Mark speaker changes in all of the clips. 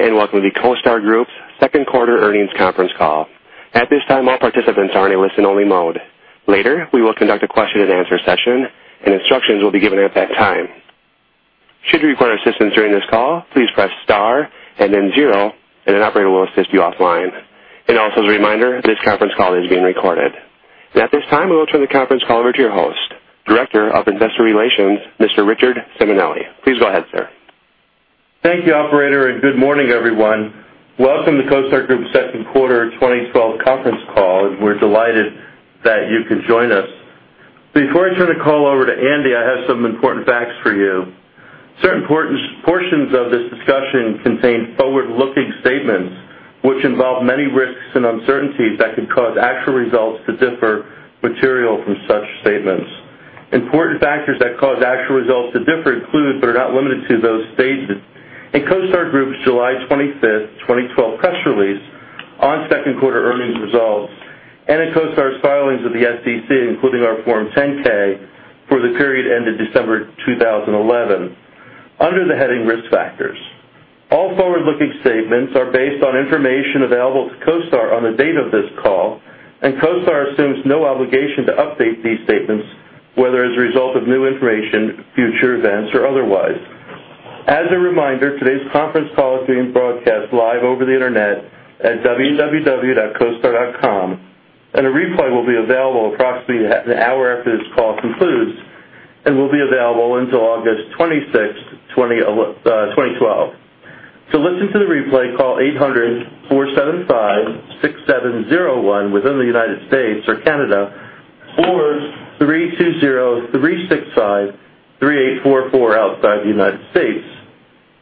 Speaker 1: Welcome to the CoStar Group's second quarter earnings conference call. At this time, all participants are in a listen-only mode. Later, we will conduct a question-and-answer session, and instructions will be given at that time. Should you require assistance during this call, please press star and then zero, and an operator will assist you offline. Also as a reminder, this conference call is being recorded. At this time, we will turn the conference call over to your host, Director of Investor Relations, Mr. Richard Simonelli. Please go ahead, sir.
Speaker 2: Thank you, operator. Good morning, everyone. Welcome to CoStar Group's second quarter 2012 conference call. We are delighted that you could join us. Before I turn the call over to Andy, I have some important facts for you. Certain portions of this discussion contain forward-looking statements, which involve many risks and uncertainties that could cause actual results to differ material from such statements. Important factors that cause actual results to differ include, but are not limited to, those stated in CoStar Group's July 25th, 2012 press release on second quarter earnings results and in CoStar's filings with the SEC, including our Form 10-K for the period ended December 2011, under the heading Risk Factors. All forward-looking statements are based on information available to CoStar on the date of this call. CoStar assumes no obligation to update these statements, whether as a result of new information, future events, or otherwise. As a reminder, today's conference call is being broadcast live over the internet at www.costar.com. A replay will be available approximately an hour after this call concludes and will be available until August 26th, 2012. To listen to the replay, call 800-475-6701 within the U.S. or Canada, or 320-365-3844 outside the U.S.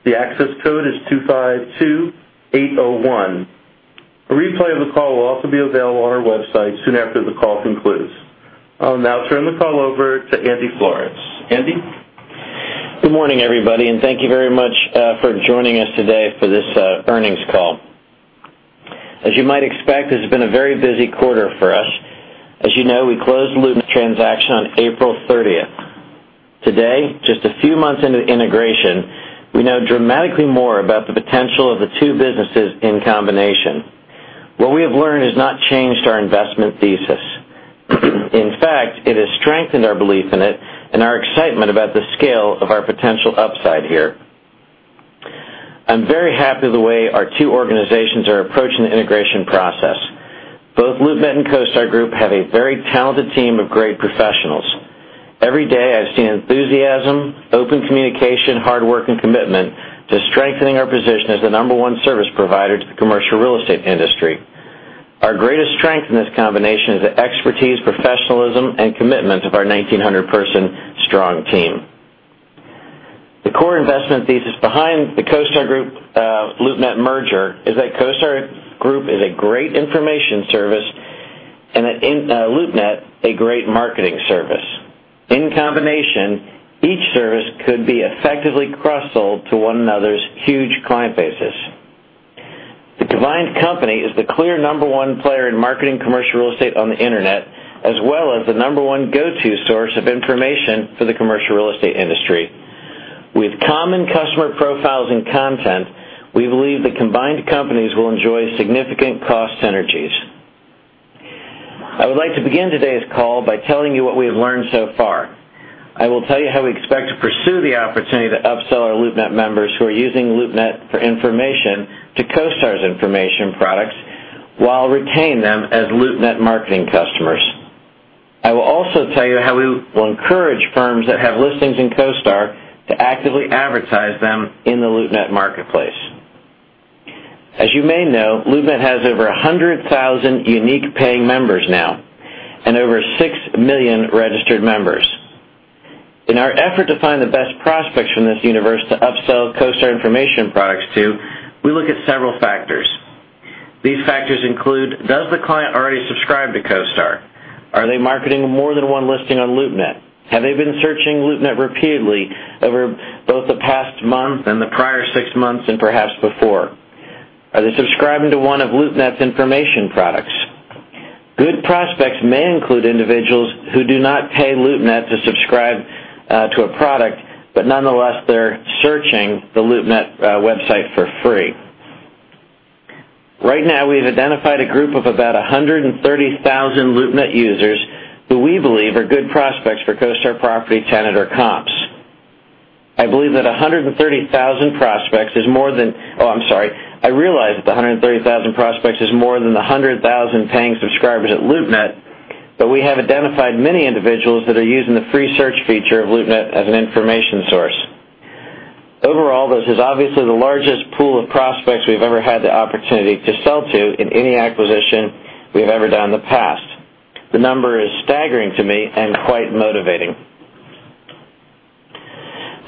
Speaker 2: The access code is 252801. A replay of the call will also be available on our website soon after the call concludes. I'll now turn the call over to Andy Florance. Andy?
Speaker 3: Good morning, everybody. Thank you very much for joining us today for this earnings call. As you might expect, this has been a very busy quarter for us. As you know, we closed the LoopNet transaction on April 30th. Today, just a few months into the integration, we know dramatically more about the potential of the two businesses in combination. What we have learned has not changed our investment thesis. In fact, it has strengthened our belief in it and our excitement about the scale of our potential upside here. I'm very happy with the way our two organizations are approaching the integration process. Both LoopNet and CoStar Group have a very talented team of great professionals. Every day, I've seen enthusiasm, open communication, hard work, and commitment to strengthening our position as the number one service provider to the commercial real estate industry. Our greatest strength in this combination is the expertise, professionalism, and commitment of our 1,900-person strong team. The core investment thesis behind the CoStar Group-LoopNet merger is that CoStar Group is a great information service and LoopNet, a great marketing service. In combination, each service could be effectively cross-sold to one another's huge client bases. The combined company is the clear number one player in marketing commercial real estate on the internet, as well as the number one go-to source of information for the commercial real estate industry. With common customer profiles and content, we believe the combined companies will enjoy significant cost synergies. I would like to begin today's call by telling you what we have learned so far. I will tell you how we expect to pursue the opportunity to upsell our LoopNet members who are using LoopNet for information to CoStar's information products while retaining them as LoopNet marketing customers. I will also tell you how we will encourage firms that have listings in CoStar to actively advertise them in the LoopNet marketplace. As you may know, LoopNet has over 100,000 unique paying members now and over 6 million registered members. In our effort to find the best prospects from this universe to upsell CoStar information products to, we look at several factors. These factors include, does the client already subscribe to CoStar? Are they marketing more than one listing on LoopNet? Have they been searching LoopNet repeatedly over both the past month and the prior six months and perhaps before? Are they subscribing to one of LoopNet's information products? Good prospects may include individuals who do not pay LoopNet to subscribe to a product, but nonetheless, they're searching the LoopNet website for free. Right now, we've identified a group of about 130,000 LoopNet users who we believe are good prospects for CoStar property tenant or comps. I realize that 130,000 prospects is more than the 100,000 paying subscribers at LoopNet, but we have identified many individuals that are using the free search feature of LoopNet as an information source. Overall, this is obviously the largest pool of prospects we've ever had the opportunity to sell to in any acquisition we've ever done in the past. The number is staggering to me and quite motivating.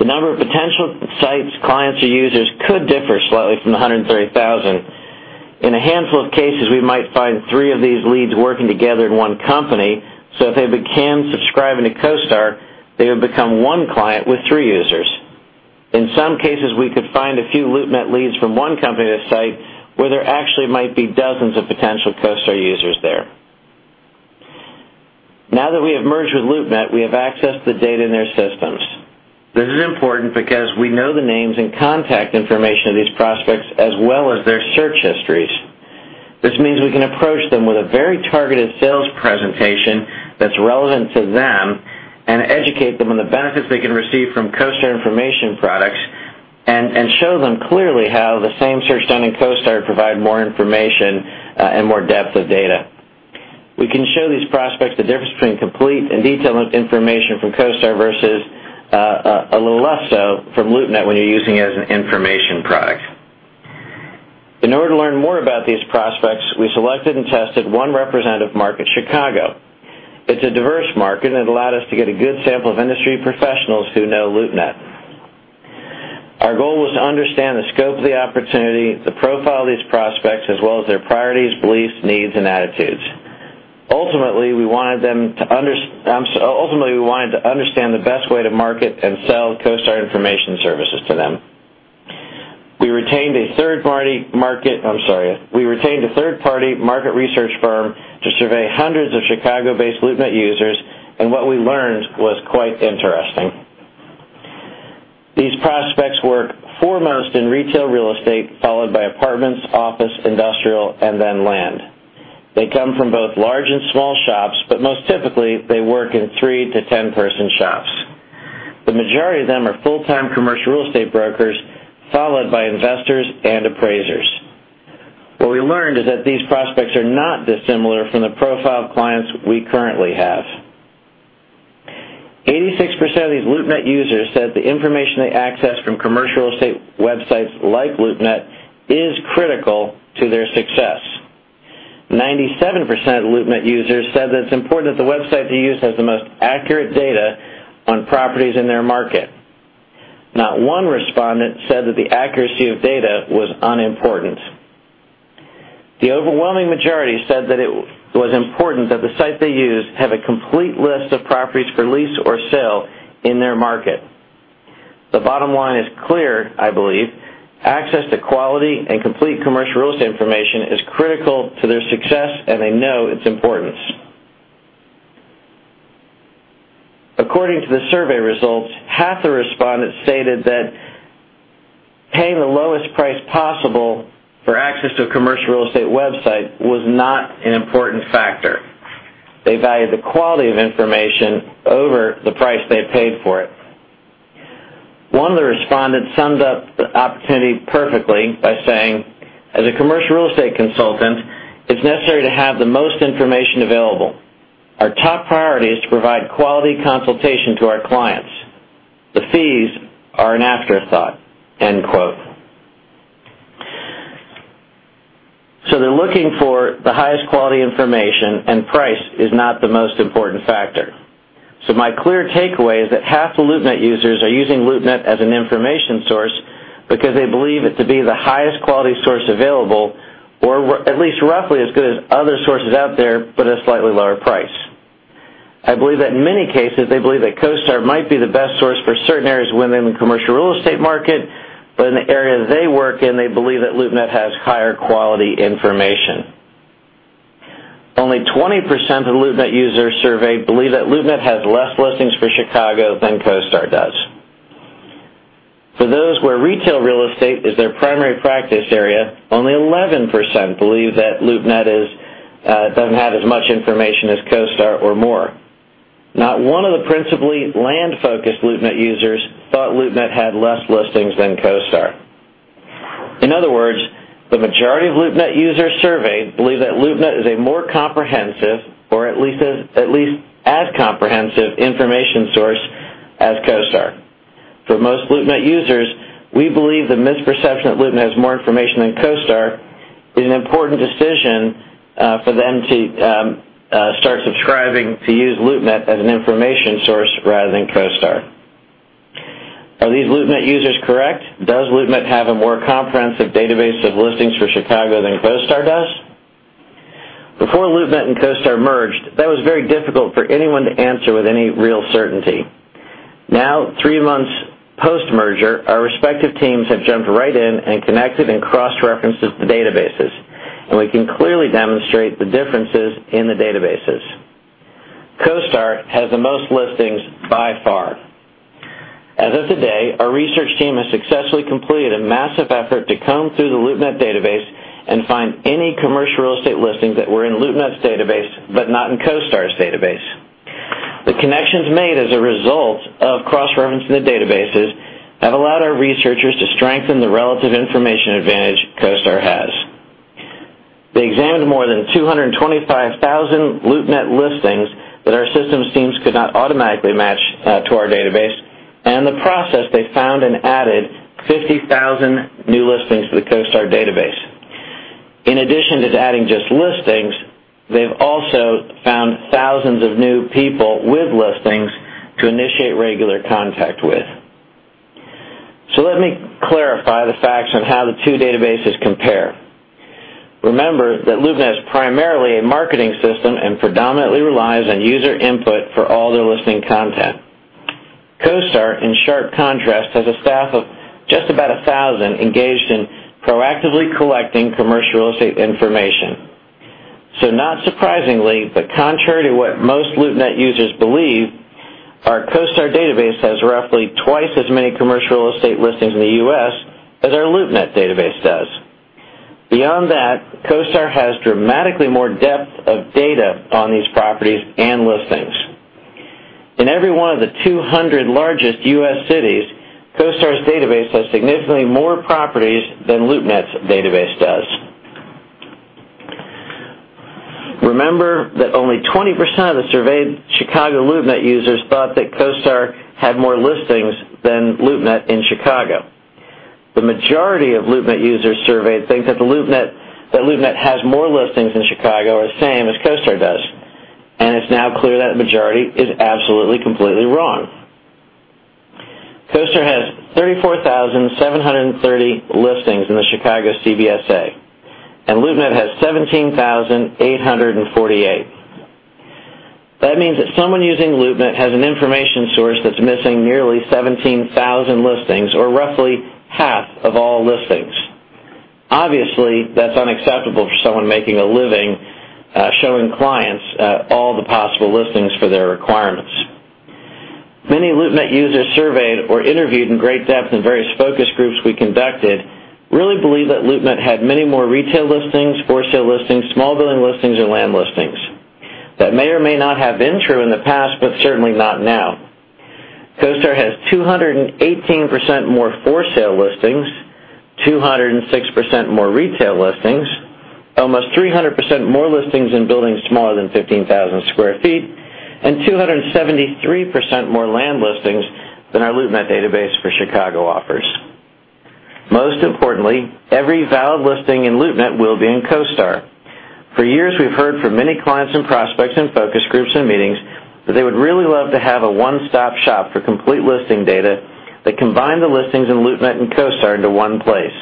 Speaker 3: The number of potential sites clients or users could differ slightly from the 130,000. In a handful of cases, we might find three of these leads working together in one company, so if they can subscribe into CoStar, they would become one client with three users. In some cases, we could find a few LoopNet leads from one company that site where there actually might be dozens of potential CoStar users there. Now that we have merged with LoopNet, we have access to the data in their systems. This is important because we know the names and contact information of these prospects, as well as their search histories. This means we can approach them with a very targeted sales presentation that's relevant to them and educate them on the benefits they can receive from CoStar information products, and show them clearly how the same search done in CoStar provide more information, and more depth of data. We can show these prospects the difference between complete and detailed information from CoStar versus a little less so from LoopNet when you're using it as an information product. In order to learn more about these prospects, we selected and tested one representative market, Chicago. It's a diverse market, and it allowed us to get a good sample of industry professionals who know LoopNet. Our goal was to understand the scope of the opportunity, to profile these prospects, as well as their priorities, beliefs, needs, and attitudes. Ultimately, we wanted to understand the best way to market and sell CoStar Information Services to them. We retained a third-party market research firm to survey hundreds of Chicago-based LoopNet users, and what we learned was quite interesting. These prospects work foremost in retail real estate, followed by apartments, office, industrial, and then land. They come from both large and small shops, but most typically, they work in three to 10-person shops. The majority of them are full-time commercial real estate brokers, followed by investors and appraisers. What we learned is that these prospects are not dissimilar from the profile of clients we currently have. 86% of these LoopNet users said the information they access from commercial real estate websites like LoopNet is critical to their success. 97% of LoopNet users said that it's important that the website they use has the most accurate data on properties in their market. Not one respondent said that the accuracy of data was unimportant. The overwhelming majority said that it was important that the site they use have a complete list of properties for lease or sale in their market. The bottom line is clear, I believe. Access to quality and complete commercial real estate information is critical to their success, and they know its importance. According to the survey results, half the respondents stated that paying the lowest price possible for access to a commercial real estate website was not an important factor. They value the quality of information over the price they paid for it. One of the respondents summed up the opportunity perfectly by saying, "As a commercial real estate consultant, it's necessary to have the most information available. Our top priority is to provide quality consultation to our clients. The fees are an afterthought." They're looking for the highest quality information, and price is not the most important factor. My clear takeaway is that half the LoopNet users are using LoopNet as an information source because they believe it to be the highest quality source available, or at least roughly as good as other sources out there, but at a slightly lower price. I believe that in many cases, they believe that CoStar might be the best source for certain areas within the commercial real estate market, but in the area they work in, they believe that LoopNet has higher quality information. Only 20% of the LoopNet users surveyed believe that LoopNet has less listings for Chicago than CoStar does. For those where retail real estate is their primary practice area, only 11% believe that LoopNet doesn't have as much information as CoStar or more. Not one of the principally land-focused LoopNet users thought LoopNet had less listings than CoStar. In other words, the majority of LoopNet users surveyed believe that LoopNet is a more comprehensive, or at least as comprehensive, information source as CoStar. For most LoopNet users, we believe the misperception that LoopNet has more information than CoStar is an important decision for them to start subscribing to use LoopNet as an information source rather than CoStar. Are these LoopNet users correct? Does LoopNet have a more comprehensive database of listings for Chicago than CoStar does? Before LoopNet and CoStar merged, that was very difficult for anyone to answer with any real certainty. Now, three months post-merger, our respective teams have jumped right in and connected and cross-referenced the databases, and we can clearly demonstrate the differences in the databases. CoStar has the most listings by far. As of today, our research team has successfully completed a massive effort to comb through the LoopNet database and find any commercial real estate listings that were in LoopNet's database but not in CoStar's database. The connections made as a result of cross-referencing the databases have allowed our researchers to strengthen the relative information advantage CoStar has. They examined more than 225,000 LoopNet listings that our systems teams could not automatically match to our database. In the process, they found and added 50,000 new listings to the CoStar database. In addition to adding just listings, they've also found thousands of new people with listings to initiate regular contact with. Let me clarify the facts on how the two databases compare. Remember that LoopNet is primarily a marketing system and predominantly relies on user input for all their listing content. CoStar, in sharp contrast, has a staff of just about 1,000 engaged in proactively collecting commercial real estate information. Not surprisingly, but contrary to what most LoopNet users believe, our CoStar database has roughly twice as many commercial real estate listings in the U.S. as our LoopNet database does. Beyond that, CoStar has dramatically more depth of data on these properties and listings. In every one of the 200 largest U.S. cities, CoStar's database has significantly more properties than LoopNet's database does. Remember that only 20% of the surveyed Chicago LoopNet users thought that CoStar had more listings than LoopNet in Chicago. The majority of LoopNet users surveyed think that LoopNet has more listings in Chicago or the same as CoStar does, it's now clear that the majority is absolutely, completely wrong. CoStar has 34,730 listings in the Chicago CBSA, and LoopNet has 17,848. That means that someone using LoopNet has an information source that's missing nearly 17,000 listings, or roughly half of all listings. Obviously, that's unacceptable for someone making a living showing clients all the possible listings for their requirements. Many LoopNet users surveyed or interviewed in great depth in various focus groups we conducted, really believe that LoopNet had many more retail listings, for sale listings, small building listings, and land listings. That may or may not have been true in the past, but certainly not now. CoStar has 218% more for sale listings, 206% more retail listings, almost 300% more listings in buildings smaller than 15,000 sq ft, and 273% more land listings than our LoopNet database for Chicago offers. Most importantly, every valid listing in LoopNet will be in CoStar. For years, we've heard from many clients and prospects in focus groups and meetings that they would really love to have a one-stop shop for complete listing data that combine the listings in LoopNet and CoStar into one place.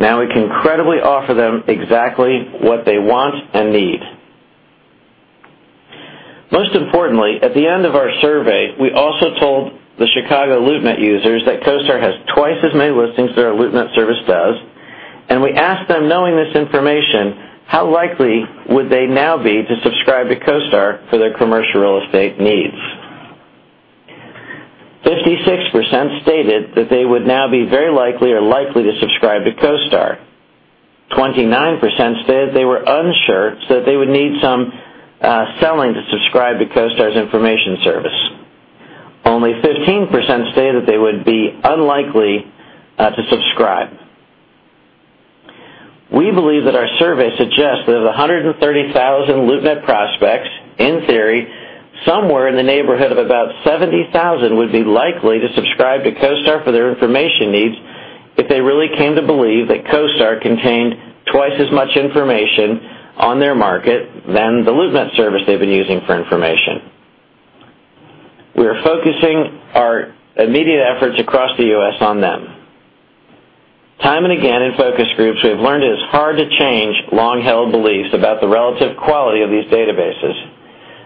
Speaker 3: Now we can credibly offer them exactly what they want and need. Most importantly, at the end of our survey, we also told the Chicago LoopNet users that CoStar has twice as many listings than our LoopNet service does, and we asked them, knowing this information, how likely would they now be to subscribe to CoStar for their commercial real estate needs? 56% stated that they would now be very likely or likely to subscribe to CoStar. 29% said they were unsure, so they would need some selling to subscribe to CoStar's information service. Only 15% say that they would be unlikely to subscribe. We believe that our survey suggests that of the 130,000 LoopNet prospects, in theory, somewhere in the neighborhood of about 70,000 would be likely to subscribe to CoStar for their information needs if they really came to believe that CoStar contained twice as much information on their market than the LoopNet service they've been using for information. We are focusing our immediate efforts across the U.S. on them. Time and again in focus groups, we have learned that it's hard to change long-held beliefs about the relative quality of these databases,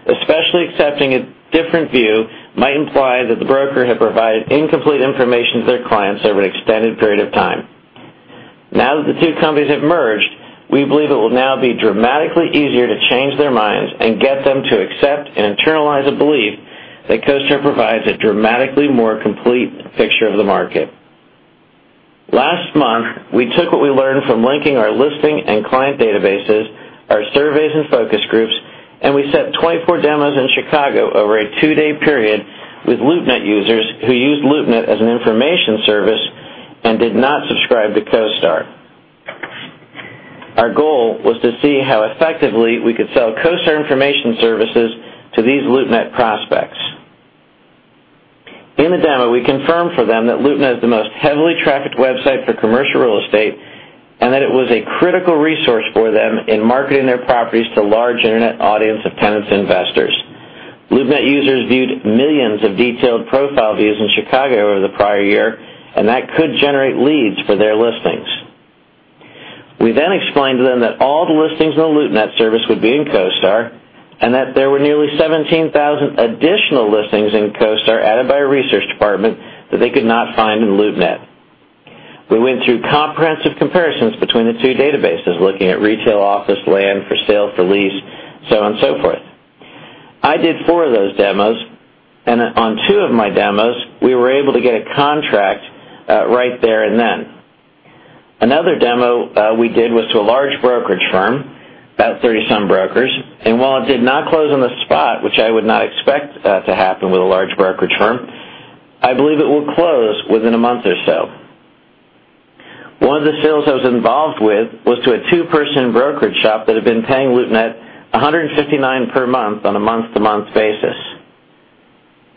Speaker 3: especially accepting a different view might imply that the broker had provided incomplete information to their clients over an extended period of time. Now that the two companies have merged, we believe it will now be dramatically easier to change their minds and get them to accept and internalize a belief that CoStar provides a dramatically more complete picture of the market. Last month, we took what we learned from linking our listing and client databases, our surveys and focus groups, and we set 24 demos in Chicago over a two-day period with LoopNet users who used LoopNet as an information service and did not subscribe to CoStar. Our goal was to see how effectively we could sell CoStar information services to these LoopNet prospects. In the demo, we confirmed for them that LoopNet is the most heavily trafficked website for commercial real estate and that it was a critical resource for them in marketing their properties to large Internet audience of tenants and investors. LoopNet users viewed millions of detailed profile views in Chicago over the prior year, and that could generate leads for their listings. We then explained to them that all the listings on the LoopNet service would be in CoStar and that there were nearly 17,000 additional listings in CoStar added by a research department that they could not find in LoopNet. We went through comprehensive comparisons between the two databases, looking at retail, office, land for sale, for lease, so on and so forth. I did four of those demos, and on two of my demos, we were able to get a contract right there and then. Another demo we did was to a large brokerage firm, about 30-some brokers, and while it did not close on the spot, which I would not expect to happen with a large brokerage firm, I believe it will close within a month or so. One of the sales I was involved with was to a two-person brokerage shop that had been paying LoopNet $159 per month on a month-to-month basis.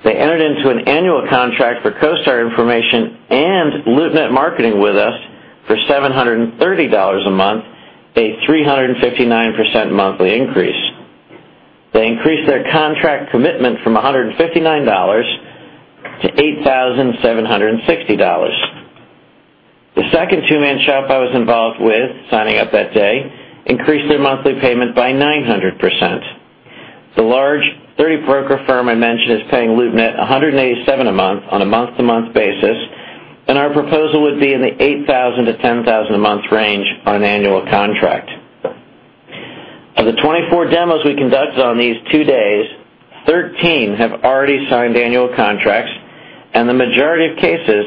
Speaker 3: They entered into an annual contract for CoStar information and LoopNet marketing with us for $730 a month, a 359% monthly increase. They increased their contract commitment from $159 to $8,760. The second two-man shop I was involved with signing up that day increased their monthly payment by 900%. The large 30-broker firm I mentioned is paying LoopNet $187 a month on a month-to-month basis. Our proposal would be in the $8,000 to $10,000 a month range on an annual contract. Of the 24 demos we conducted on these two days, 13 have already signed annual contracts, and the majority of cases,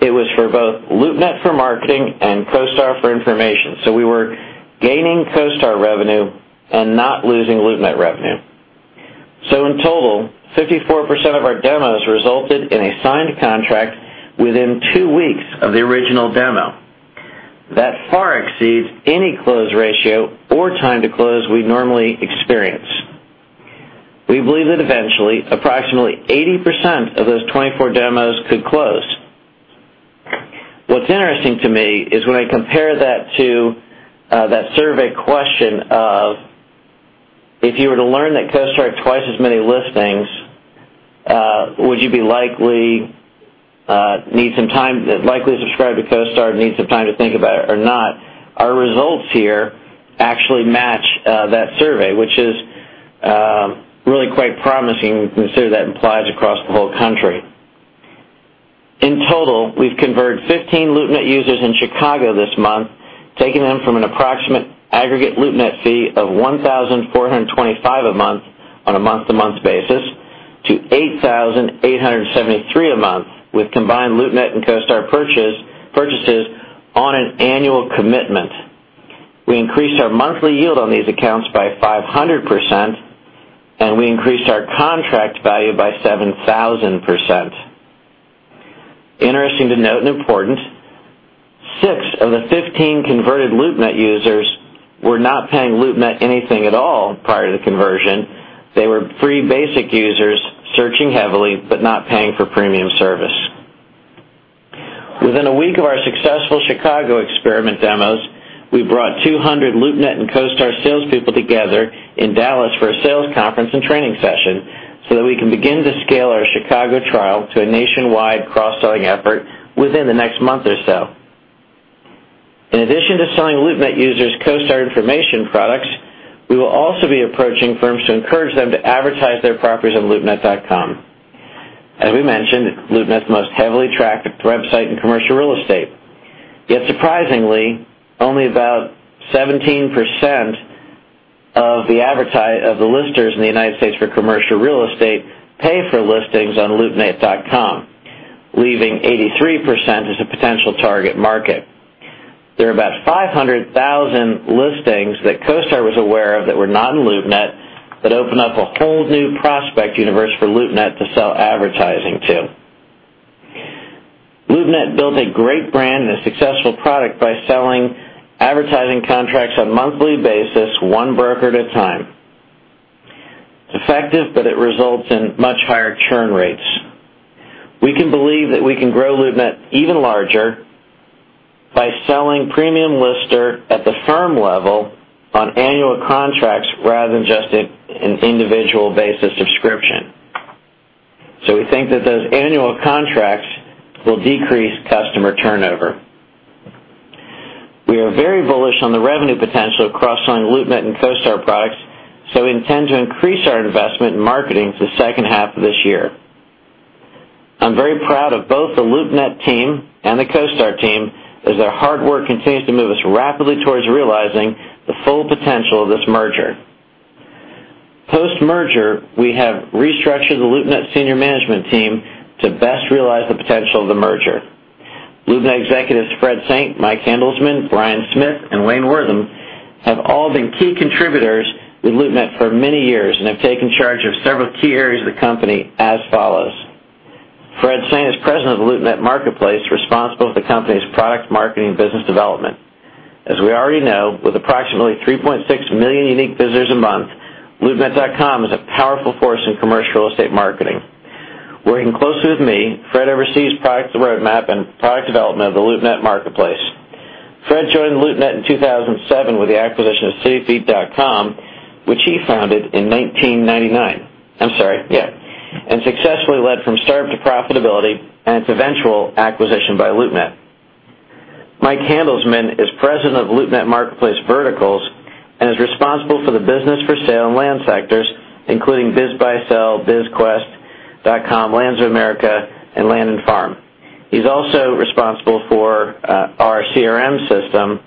Speaker 3: it was for both LoopNet for marketing and CoStar for information. We were gaining CoStar revenue and not losing LoopNet revenue. In total, 54% of our demos resulted in a signed contract within two weeks of the original demo. That far exceeds any close ratio or time to close we'd normally experience. We believe that eventually, approximately 80% of those 24 demos could close. What's interesting to me is when I compare that to that survey question of, if you were to learn that CoStar had twice as many listings, would you be likely to subscribe to CoStar and need some time to think about it or not? Our results here actually match that survey, which is really quite promising when you consider that applies across the whole country. In total, we've converted 15 LoopNet users in Chicago this month, taking them from an approximate aggregate LoopNet fee of $1,425 a month on a month-to-month basis to $8,873 a month with combined LoopNet and CoStar purchases on an annual commitment. We increased our monthly yield on these accounts by 500%, and we increased our contract value by 7,000%. Interesting to note and important, six of the 15 converted LoopNet users were not paying LoopNet anything at all prior to the conversion. They were free basic users, searching heavily, not paying for premium service. Within a week of our successful Chicago experiment demos, we brought 200 LoopNet and CoStar salespeople together in Dallas for a sales conference and training session that we can begin to scale our Chicago trial to a nationwide cross-selling effort within the next month or so. In addition to selling LoopNet users CoStar information products, we will also be approaching firms to encourage them to advertise their properties on loopnet.com. As we mentioned, LoopNet's the most heavily trafficked website in commercial real estate. Surprisingly, only about 17% of the listers in the United States for commercial real estate pay for listings on loopnet.com, leaving 83% as a potential target market. There are about 500,000 listings that CoStar was aware of that were not in LoopNet, that open up a whole new prospect universe for LoopNet to sell advertising to. LoopNet built a great brand and a successful product by selling advertising contracts on a monthly basis, one broker at a time. It's effective, but it results in much higher churn rates. We believe that we can grow LoopNet even larger by selling Premium Lister at the firm level on annual contracts rather than just an individual basis subscription. We think that those annual contracts will decrease customer turnover. We are very bullish on the revenue potential of cross-selling LoopNet and CoStar products, we intend to increase our investment in marketing for the second half of this year. I'm very proud of both the LoopNet team and the CoStar team, as their hard work continues to move us rapidly towards realizing the full potential of this merger. Post-merger, we have restructured the LoopNet senior management team to best realize the potential of the merger. LoopNet executives Fred Saint, Mike Handelsman, Brian Smith, and Wayne Wortham have all been key contributors with LoopNet for many years and have taken charge of several key areas of the company as follows. Fred Saint is President of the LoopNet marketplace, responsible for the company's product marketing business development. As we already know, with approximately 3.6 million unique visitors a month, loopnet.com is a powerful force in commercial real estate marketing. Working closely with me, Fred oversees product roadmap and product development of the LoopNet marketplace. Fred joined LoopNet in 2007 with the acquisition of cityfeet.com, which he founded in 1999. Successfully led from start-up to profitability and its eventual acquisition by LoopNet. Mike Handelsman is President of LoopNet Marketplace Verticals and is responsible for the business for sale and land sectors, including BizBuySell, bizquest.com, Lands of America, and Land and Farm. He's also responsible for our CRM system,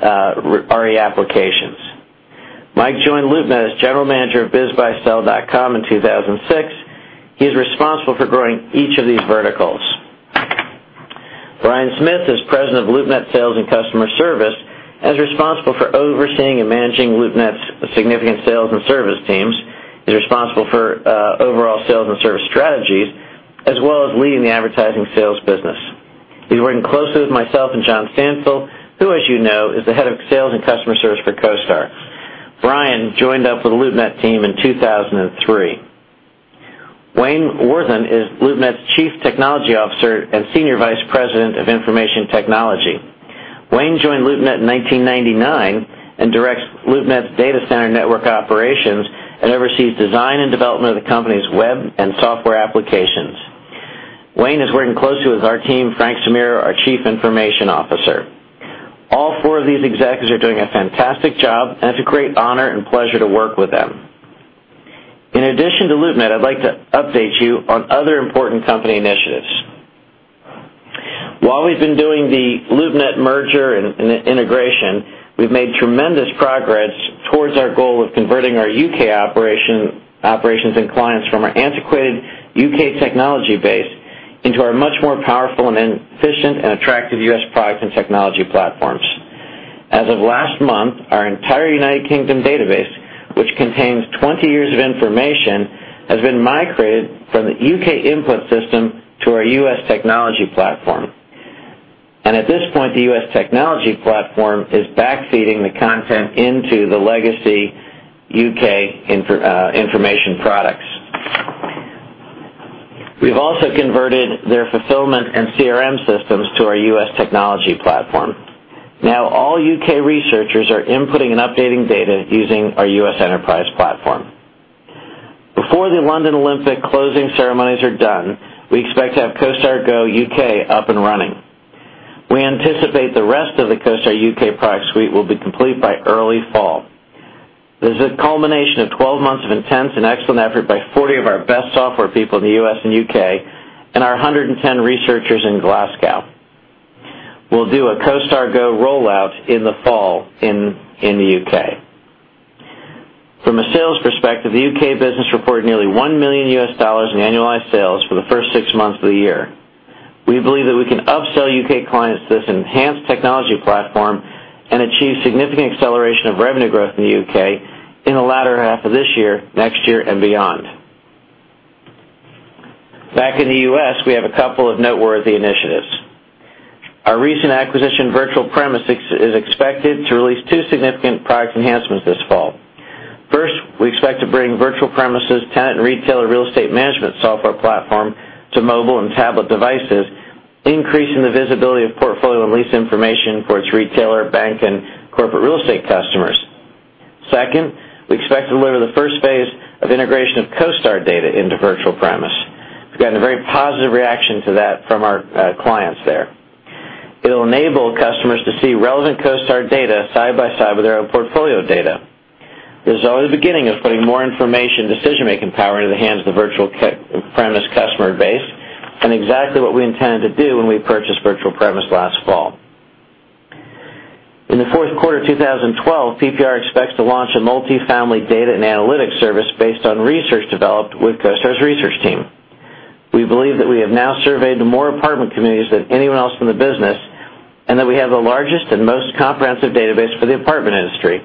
Speaker 3: REapps. Mike joined LoopNet as General Manager of bizbuysell.com in 2006. He's responsible for growing each of these verticals. Brian Smith is President of LoopNet Sales and Customer Service and is responsible for overseeing and managing LoopNet's significant sales and service teams. He's responsible for overall sales and service strategies, as well as leading the advertising sales business. He's working closely with myself and John Stanfill, who as you know, is the Head of Sales and Customer Service for CoStar. Brian joined up with the LoopNet team in 2003. Wayne Wortham is LoopNet's Chief Technology Officer and Senior Vice President of Information Technology. Wayne joined LoopNet in 1999 and directs LoopNet's data center network operations and oversees design and development of the company's web and software applications. Wayne is working closely with our team, Frank Simuro, our Chief Information Officer. All four of these executives are doing a fantastic job, and it's a great honor and pleasure to work with them. In addition to LoopNet, I'd like to update you on other important company initiatives. While we've been doing the LoopNet merger and integration, we've made tremendous progress towards our goal of converting our U.K. operations and clients from our antiquated U.K. technology base into our much more powerful and efficient and attractive U.S. products and technology platforms. As of last month, our entire U.K. database, which contains 20 years of information, has been migrated from the U.K. input system to our U.S. technology platform. At this point, the U.S. technology platform is backfeeding the content into the legacy U.K. information products. We've also converted their fulfillment and CRM systems to our U.S. technology platform. All U.K. researchers are inputting and updating data using our U.S. enterprise platform. Before the London Olympic closing ceremonies are done, we expect to have CoStar Go U.K. up and running. We anticipate the rest of the CoStar U.K. product suite will be complete by early fall. This is a culmination of 12 months of intense and excellent effort by 40 of our best software people in the U.S. and U.K., and our 110 researchers in Glasgow. We'll do a CoStar Go rollout in the fall in the U.K. From a sales perspective, the U.K. business reported nearly $1 million in annualized sales for the first six months of the year. We believe that we can upsell U.K. clients to this enhanced technology platform and achieve significant acceleration of revenue growth in the U.K. in the latter half of this year, next year, and beyond. Back in the U.S., we have a couple of noteworthy initiatives. Our recent acquisition, Virtual Premise, is expected to release two significant product enhancements this fall. First, we expect to bring Virtual Premise's tenant and retailer real estate management software platform to mobile and tablet devices, increasing the visibility of portfolio and lease information for its retailer, bank, and corporate real estate customers. Second, we expect to deliver the first phase of integration of CoStar data into Virtual Premise. We've gotten a very positive reaction to that from our clients there. It'll enable customers to see relevant CoStar data side by side with their own portfolio data. This is only the beginning of putting more information decision-making power into the hands of the Virtual Premise customer base and exactly what we intended to do when we purchased Virtual Premise last fall. In the fourth quarter 2012, PPR expects to launch a multifamily data and analytics service based on research developed with CoStar's research team. We believe that we have now surveyed the more apartment communities than anyone else in the business, and that we have the largest and most comprehensive database for the apartment industry.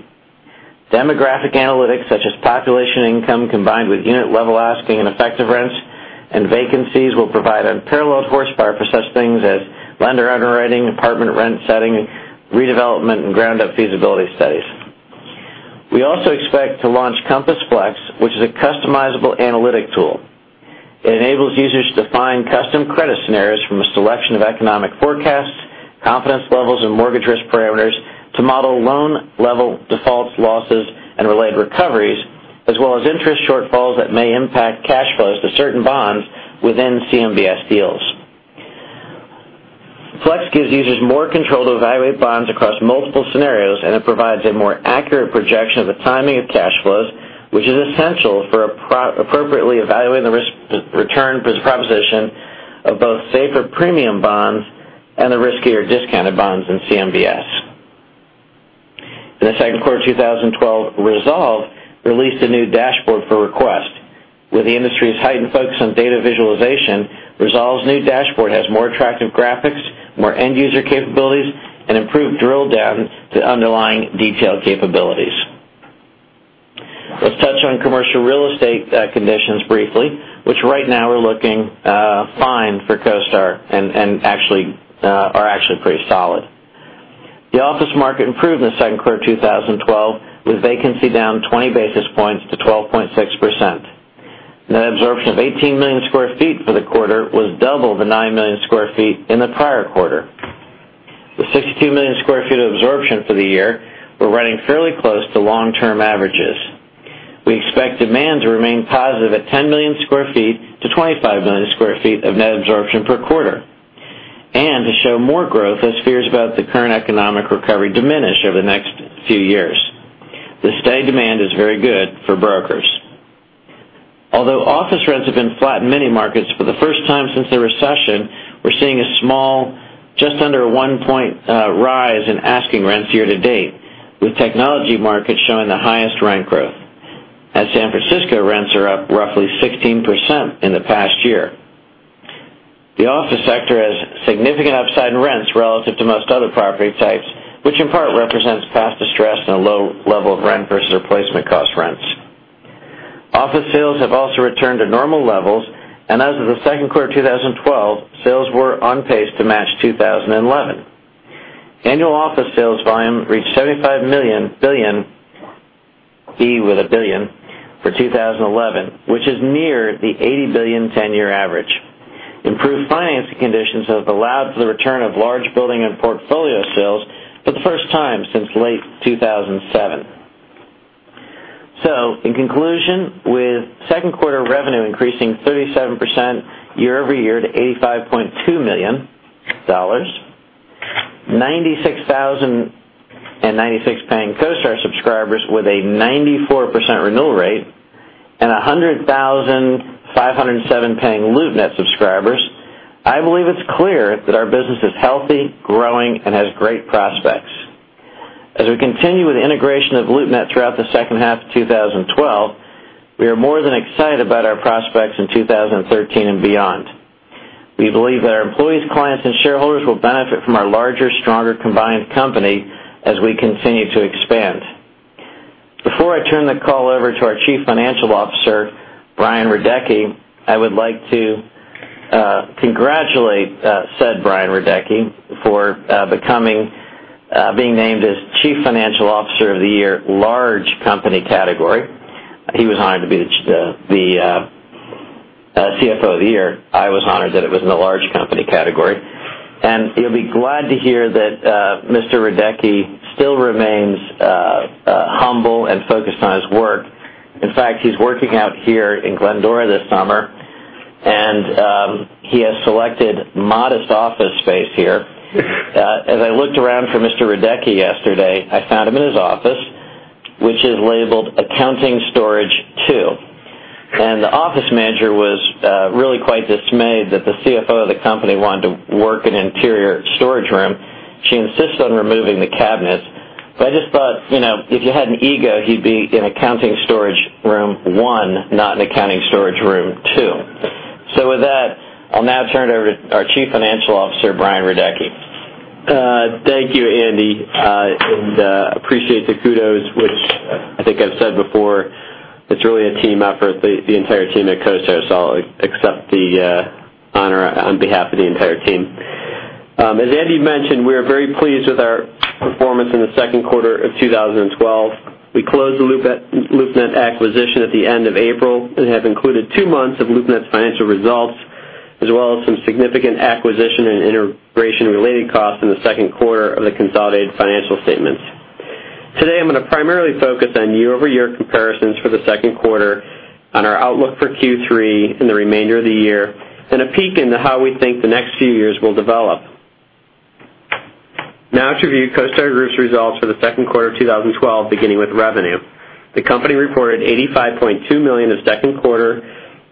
Speaker 3: Demographic analytics such as population income, combined with unit-level asking and effective rents and vacancies, will provide unparalleled horsepower for such things as lender underwriting, apartment rent setting, redevelopment, and ground-up feasibility studies. We also expect to launch CompassFLEX, which is a customizable analytic tool. It enables users to define custom credit scenarios from a selection of economic forecasts, confidence levels, and mortgage risk parameters to model loan-level defaults, losses, and related recoveries, as well as interest shortfalls that may impact cash flows to certain bonds within CMBS deals. Flex gives users more control to evaluate bonds across multiple scenarios, and it provides a more accurate projection of the timing of cash flows, which is essential for appropriately evaluating the risk-return proposition of both safer premium bonds and the riskier discounted bonds in CMBS. In the second quarter 2012, Resolve released a new dashboard for request. With the industry's heightened focus on data visualization, Resolve's new dashboard has more attractive graphics, more end-user capabilities, and improved drill-downs to underlying detail capabilities. Let's touch on commercial real estate conditions briefly, which right now are looking fine for CoStar and are actually pretty solid. The office market improved in the second quarter of 2012, with vacancy down 20 basis points to 12.6%. Net absorption of 18 million square feet for the quarter was double the 9 million square feet in the prior quarter. With 62 million square feet of absorption for the year, we're running fairly close to long-term averages. We expect demand to remain positive at 10 million square feet to 25 million square feet of net absorption per quarter, and to show more growth as fears about the current economic recovery diminish over the next few years. The steady demand is very good for brokers. Although office rents have been flat in many markets for the first time since the recession, we're seeing a small, just under a one-point rise in asking rents year-to-date, with technology markets showing the highest rent growth. At San Francisco, rents are up roughly 16% in the past year. The office sector has significant upside in rents relative to most other property types, which in part represents past distress and a low level of rent versus replacement cost rents. Office sales have also returned to normal levels, and as of the second quarter 2012, sales were on pace to match 2011. Annual office sales volume reached $75 billion for 2011, which is near the $80 billion 10-year average. Improved financing conditions have allowed for the return of large building and portfolio sales for the first time since late 2007. In conclusion, with second quarter revenue increasing 37% year-over-year to $85.2 million, 96,096 paying CoStar subscribers with a 94% renewal rate, and 100,507 paying LoopNet subscribers, I believe it's clear that our business is healthy, growing, and has great prospects. As we continue with the integration of LoopNet throughout the second half of 2012, we are more than excited about our prospects in 2013 and beyond. We believe that our employees, clients, and shareholders will benefit from our larger, stronger combined company as we continue to expand. Before I turn the call over to our Chief Financial Officer, Brian Radecki, I would like to congratulate Brian Radecki for being named as Chief Financial Officer of the Year, Large Company category. He was honored to be the CFO of the Year. I was honored that it was in the Large Company category. You'll be glad to hear that Mr. Radecki still remains humble and focused on his work. In fact, he's working out here in Glendora this summer, and he has selected modest office space here. As I looked around for Mr. Radecki yesterday, I found him in his office, which is labeled Accounting Storage 2. The office manager was really quite dismayed that the CFO of the company wanted to work in an interior storage room. She insists on removing the cabinets. I just thought, if he had an ego, he'd be in Accounting Storage Room 1, not in Accounting Storage Room 2. With that, I'll now turn it over to our Chief Financial Officer, Brian Radecki.
Speaker 4: Thank you, Andy, and appreciate the kudos, which I think I've said before, it's really a team effort. The entire team at CoStar, so I'll accept the honor on behalf of the entire team. As Andy mentioned, we are very pleased with our performance in the second quarter of 2012. We closed the LoopNet acquisition at the end of April and have included two months of LoopNet's financial results, as well as some significant acquisition and integration-related costs in the second quarter of the consolidated financial statements. Today, I'm going to primarily focus on year-over-year comparisons for the second quarter, on our outlook for Q3 and the remainder of the year, and a peek into how we think the next few years will develop. Now to review CoStar Group's results for the second quarter of 2012, beginning with revenue. The company reported $85.2 million of second quarter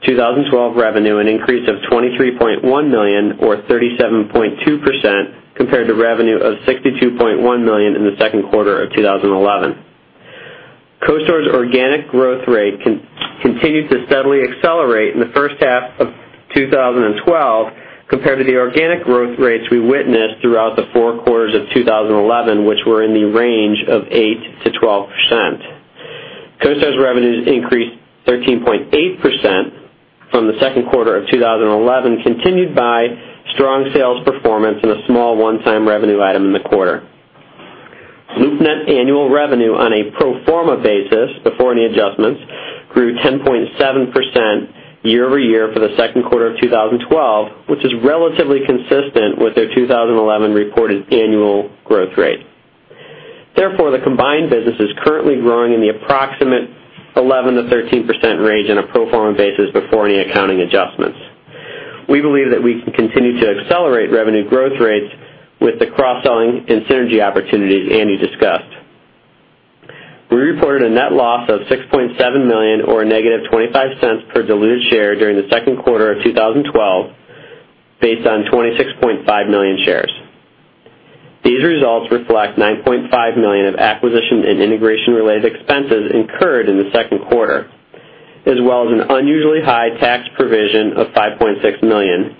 Speaker 4: 2012 revenue, an increase of $23.1 million or 37.2% compared to revenue of $62.1 million in the second quarter of 2011. CoStar's organic growth rate continued to steadily accelerate in the first half of 2012 compared to the organic growth rates we witnessed throughout the four quarters of 2011, which were in the range of 8%-12%. CoStar's revenues increased 13.8% from the second quarter of 2011, continued by strong sales performance and a small one-time revenue item in the quarter. LoopNet annual revenue on a pro forma basis, before any adjustments, grew 10.7% year-over-year for the second quarter of 2012, which is relatively consistent with their 2011 reported annual growth rate. The combined business is currently growing in the approximate 11%-13% range on a pro forma basis before any accounting adjustments. We believe that we can continue to accelerate revenue growth rates with the cross-selling and synergy opportunities Andy discussed. We reported a net loss of $6.7 million, or -$0.25 per diluted share during the second quarter of 2012, based on 26.5 million shares. These results reflect $9.5 million of acquisition and integration-related expenses incurred in the second quarter, as well as an unusually high tax provision of $5.6 million,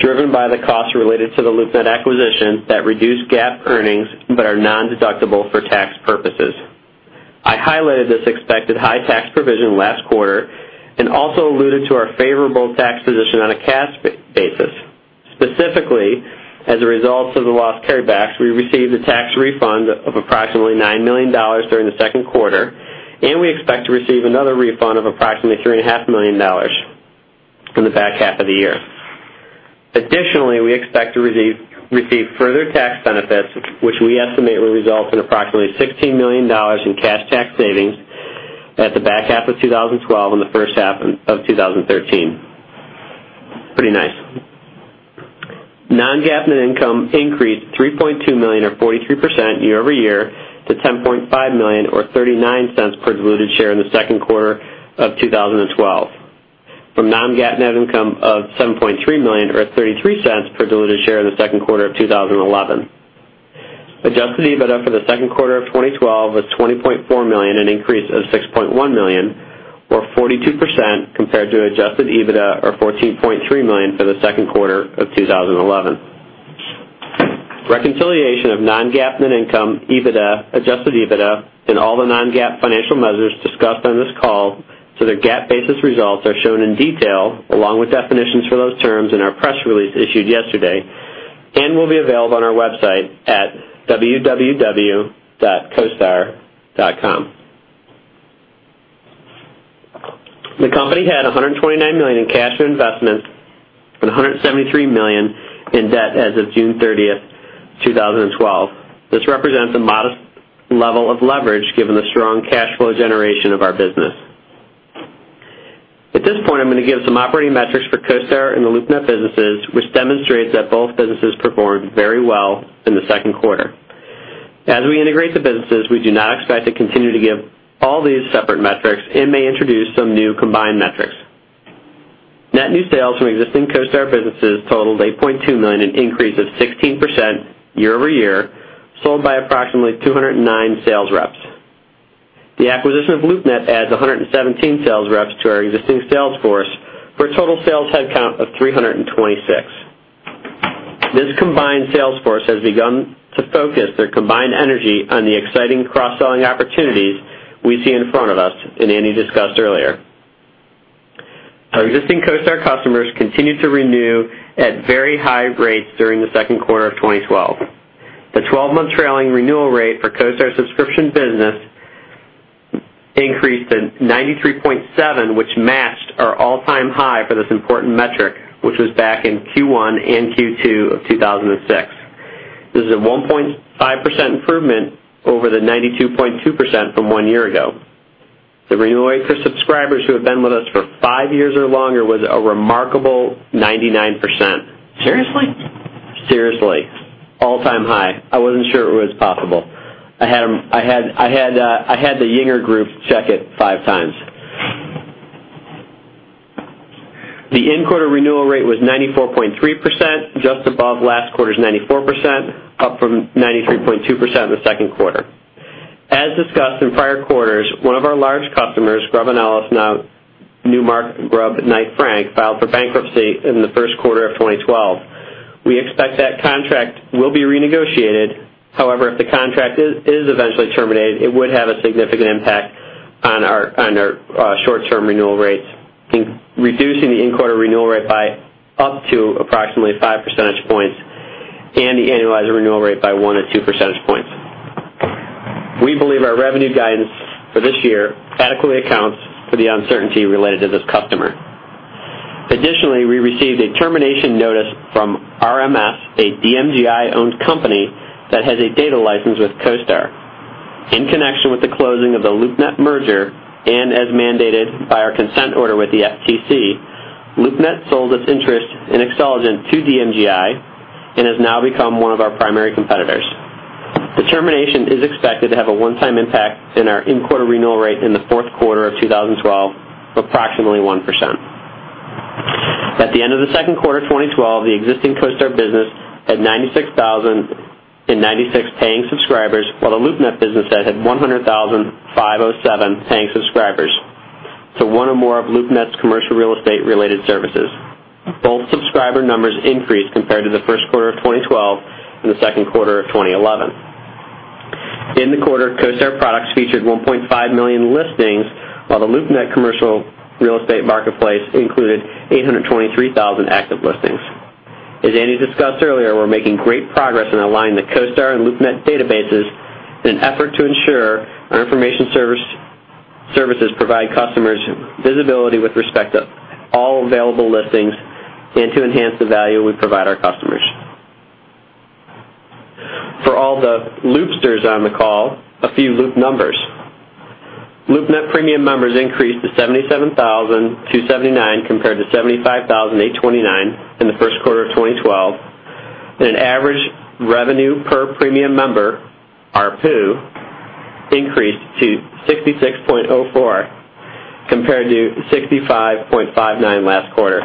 Speaker 4: driven by the costs related to the LoopNet acquisition that reduced GAAP earnings but are non-deductible for tax purposes. I highlighted this expected high tax provision last quarter and also alluded to our favorable tax position on a cash basis. Specifically, as a result of the loss carrybacks, we received a tax refund of approximately $9 million during the second quarter, and we expect to receive another refund of approximately $3.5 million in the back half of the year. Additionally, we expect to receive further tax benefits, which we estimate will result in approximately $16 million in cash tax savings at the back half of 2012 and the first half of 2013. Pretty nice. Non-GAAP net income increased $3.2 million or 43% year-over-year to $10.5 million or $0.39 per diluted share in the second quarter of 2012, from non-GAAP net income of $7.3 million or $0.33 per diluted share in the second quarter of 2011. Adjusted EBITDA for the second quarter of 2012 was $20.4 million, an increase of $6.1 million or 42% compared to adjusted EBITDA of $14.3 million for the second quarter of 2011. Reconciliation of non-GAAP net income, EBITDA, adjusted EBITDA and all the non-GAAP financial measures discussed on this call to the GAAP basis results are shown in detail along with definitions for those terms in our press release issued yesterday. Will be available on our website at www.costar.com. The company had $129 million in cash and investments and $173 million in debt as of June 30th, 2012. This represents a modest level of leverage given the strong cash flow generation of our business. At this point, I'm going to give some operating metrics for CoStar and the LoopNet businesses, which demonstrates that both businesses performed very well in the second quarter. As we integrate the businesses, we do not expect to continue to give all these separate metrics and may introduce some new combined metrics. Net new sales from existing CoStar businesses totaled $8.2 million, an increase of 16% year-over-year, sold by approximately 209 sales reps. The acquisition of LoopNet adds 117 sales reps to our existing sales force for a total sales headcount of 326. This combined sales force has begun to focus their combined energy on the exciting cross-selling opportunities we see in front of us and Andy discussed earlier. Our existing CoStar customers continued to renew at very high rates during the second quarter of 2012. The 12-month trailing renewal rate for CoStar subscription business increased to 93.7%, which matched our all-time high for this important metric, which was back in Q1 and Q2 of 2006. This is a 1.5% improvement over the 92.2% from one year ago. The renewal rate for subscribers who have been with us for five years or longer was a remarkable 99%.
Speaker 3: Seriously?
Speaker 4: Seriously. All-time high. I wasn't sure it was possible. I had the Yinger group check it five times. The in-quarter renewal rate was 94.3%, just above last quarter's 94%, up from 93.2% in the second quarter. As discussed in prior quarters, one of our large customers, Grubb & Ellis, now Newmark Grubb Knight Frank, filed for bankruptcy in the first quarter of 2012. We expect that contract will be renegotiated. However, if the contract is eventually terminated, it would have a significant impact on our short-term renewal rates, reducing the in-quarter renewal rate by up to approximately five percentage points and the annualized renewal rate by one or two percentage points. We believe our revenue guidance for this year adequately accounts for the uncertainty related to this customer. Additionally, we received a termination notice from RMS, a DMGI-owned company that has a data license with CoStar. In connection with the closing of the LoopNet merger and as mandated by our consent order with the FTC, LoopNet sold its interest in Xceligent to DMGI and has now become one of our primary competitors. The termination is expected to have a one-time impact in our in-quarter renewal rate in the fourth quarter of 2012 of approximately 1%. At the end of the second quarter of 2012, the existing CoStar business had 96,096 paying subscribers, while the LoopNet business had 100,507 paying subscribers to one or more of LoopNet's commercial real estate-related services. Both subscriber numbers increased compared to the first quarter of 2012 and the second quarter of 2011. In the quarter, CoStar products featured 1.5 million listings, while the LoopNet commercial real estate marketplace included 823,000 active listings. As Andy discussed earlier, we're making great progress in aligning the CoStar and LoopNet databases in an effort to ensure our information services provide customers visibility with respect to all available listings and to enhance the value we provide our customers. For all the Loopsters on the call, a few Loop numbers. LoopNet premium members increased to 77,279 compared to 75,829 in the first quarter of 2012, and an average revenue per premium member, ARPU, increased to $66.04 compared to $65.59 last quarter.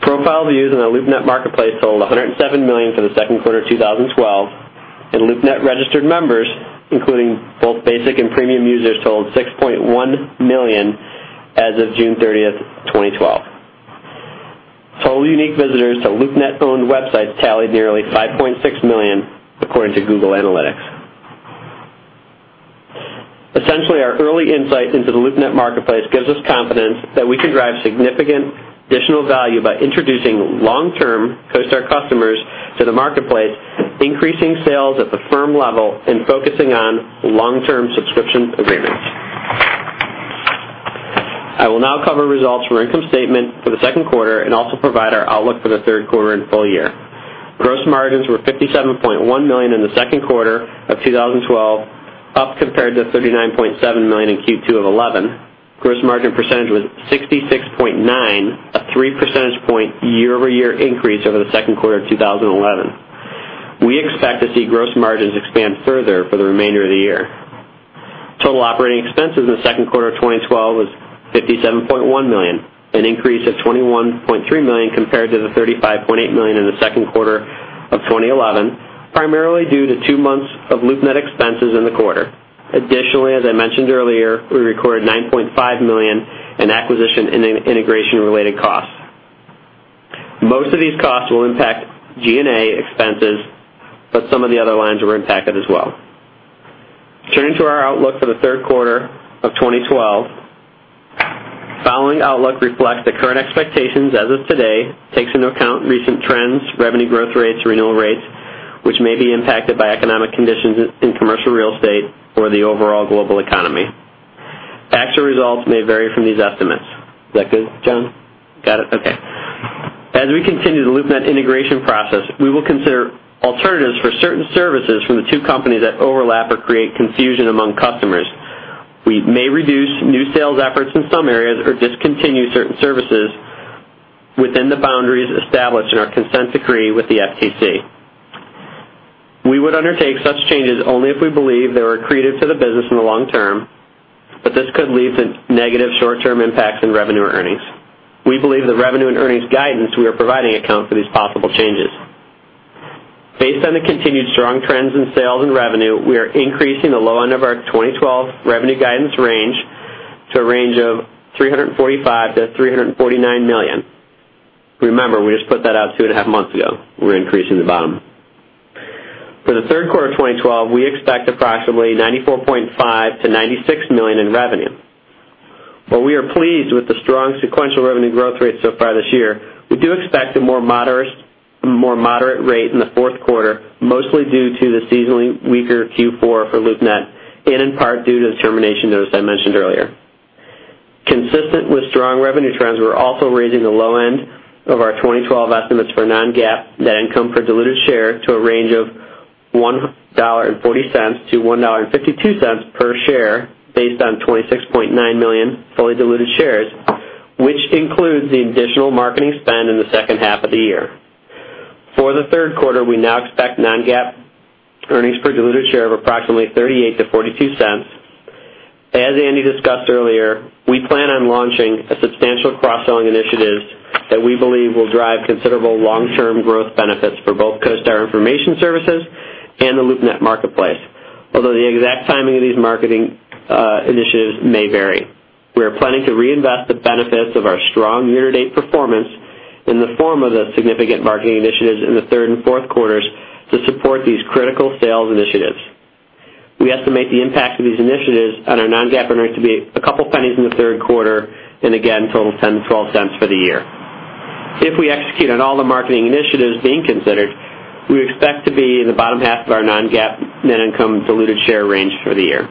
Speaker 4: Profile views in the LoopNet marketplace totaled 107 million for the second quarter of 2012, and LoopNet registered members, including both basic and premium users, totaled 6.1 million as of June 30th, 2012. Total unique visitors to LoopNet-owned websites tallied nearly 5.6 million, according to Google Analytics. Our early insight into the LoopNet marketplace gives us confidence that we can drive significant additional value by introducing long-term CoStar customers to the marketplace, increasing sales at the firm level, and focusing on long-term subscriptions agreements. I will now cover results from our income statement for the second quarter and also provide our outlook for the third quarter and full year. Gross margins were $57.1 million in the second quarter of 2012, up compared to $39.7 million in Q2 of 2011. Gross margin percentage was 66.9%, a three percentage point year-over-year increase over the second quarter of 2011. We expect to see gross margins expand further for the remainder of the year. Total operating expenses in the second quarter of 2012 was $57.1 million, an increase of $21.3 million compared to the $35.8 million in the second quarter of 2011, primarily due to two months of LoopNet expenses in the quarter. Additionally, as I mentioned earlier, we recorded $9.5 million in acquisition and integration-related costs. Most of these costs will impact G&A expenses, but some of the other lines were impacted as well. Turning to our outlook for the third quarter of 2012, the following outlook reflects the current expectations as of today, takes into account recent trends, revenue growth rates, renewal rates, which may be impacted by economic conditions in commercial real estate or the overall global economy. Actual results may vary from these estimates. Is that good, John? Got it? Okay. As we continue the LoopNet integration process, we will consider alternatives for certain services from the two companies that overlap or create confusion among customers. We may reduce new sales efforts in some areas or discontinue certain services within the boundaries established in our consent decree with the FTC. We would undertake such changes only if we believe they were accretive to the business in the long term, but this could lead to negative short-term impacts in revenue earnings. We believe the revenue and earnings guidance we are providing account for these possible changes. Based on the continued strong trends in sales and revenue, we are increasing the low end of our 2012 revenue guidance range to a range of $345 million-$349 million. Remember, we just put that out two and a half months ago. We're increasing the bottom. For the third quarter of 2012, we expect approximately $94.5 million-$96 million in revenue. While we are pleased with the strong sequential revenue growth rate so far this year, we do expect a more moderate rate in the fourth quarter, mostly due to the seasonally weaker Q4 for LoopNet and in part due to the termination notice I mentioned earlier. Consistent with strong revenue trends, we're also raising the low end of our 2012 estimates for non-GAAP net income per diluted share to a range of $1.40-$1.52 per share based on 26.9 million fully diluted shares, which includes the additional marketing spend in the second half of the year. For the third quarter, we now expect non-GAAP earnings per diluted share of approximately $0.38-$0.42. As Andy discussed earlier, we plan on launching a substantial cross-selling initiative that we believe will drive considerable long-term growth benefits for both CoStar information services and the LoopNet marketplace. Although the exact timing of these marketing initiatives may vary, we are planning to reinvest the benefits of our strong year-to-date performance in the form of the significant marketing initiatives in the third and fourth quarters to support these critical sales initiatives. We estimate the impact of these initiatives on our non-GAAP earnings to be $0.02 in the third quarter, and again, total $0.10-$0.12 for the year. If we execute on all the marketing initiatives being considered, we expect to be in the bottom half of our non-GAAP net income diluted share range for the year.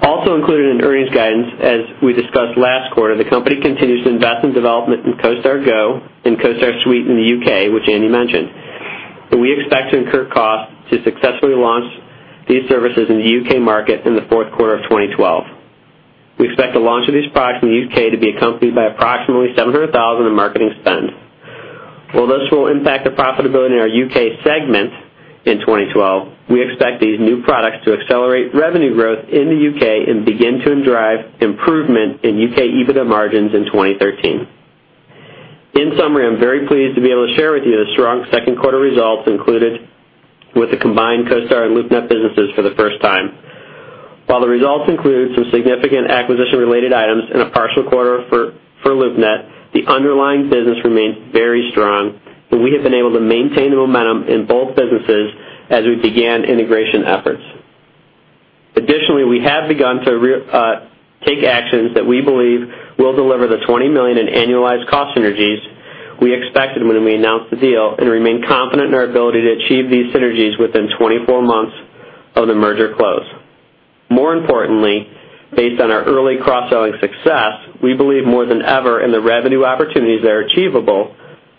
Speaker 4: Also included in earnings guidance, as we discussed last quarter, the company continues to invest in development in CoStar Go and CoStar Suite in the U.K., which Andy mentioned, and we expect to incur costs to successfully launch these services in the U.K. market in the fourth quarter of 2012. We expect the launch of these products in the U.K. to be accompanied by approximately $700,000 in marketing spend. While this will impact the profitability in our U.K. segment in 2012, we expect these new products to accelerate revenue growth in the U.K. and begin to drive improvement in U.K. EBITDA margins in 2013. In summary, I'm very pleased to be able to share with you the strong second quarter results included with the combined CoStar and LoopNet businesses for the first time. While the results include some significant acquisition-related items and a partial quarter for LoopNet, the underlying business remains very strong, and we have been able to maintain the momentum in both businesses as we began integration efforts. Additionally, we have begun to take actions that we believe will deliver the $20 million in annualized cost synergies we expected when we announced the deal and remain confident in our ability to achieve these synergies within 24 months of the merger close. More importantly, based on our early cross-selling success, we believe more than ever in the revenue opportunities that are achievable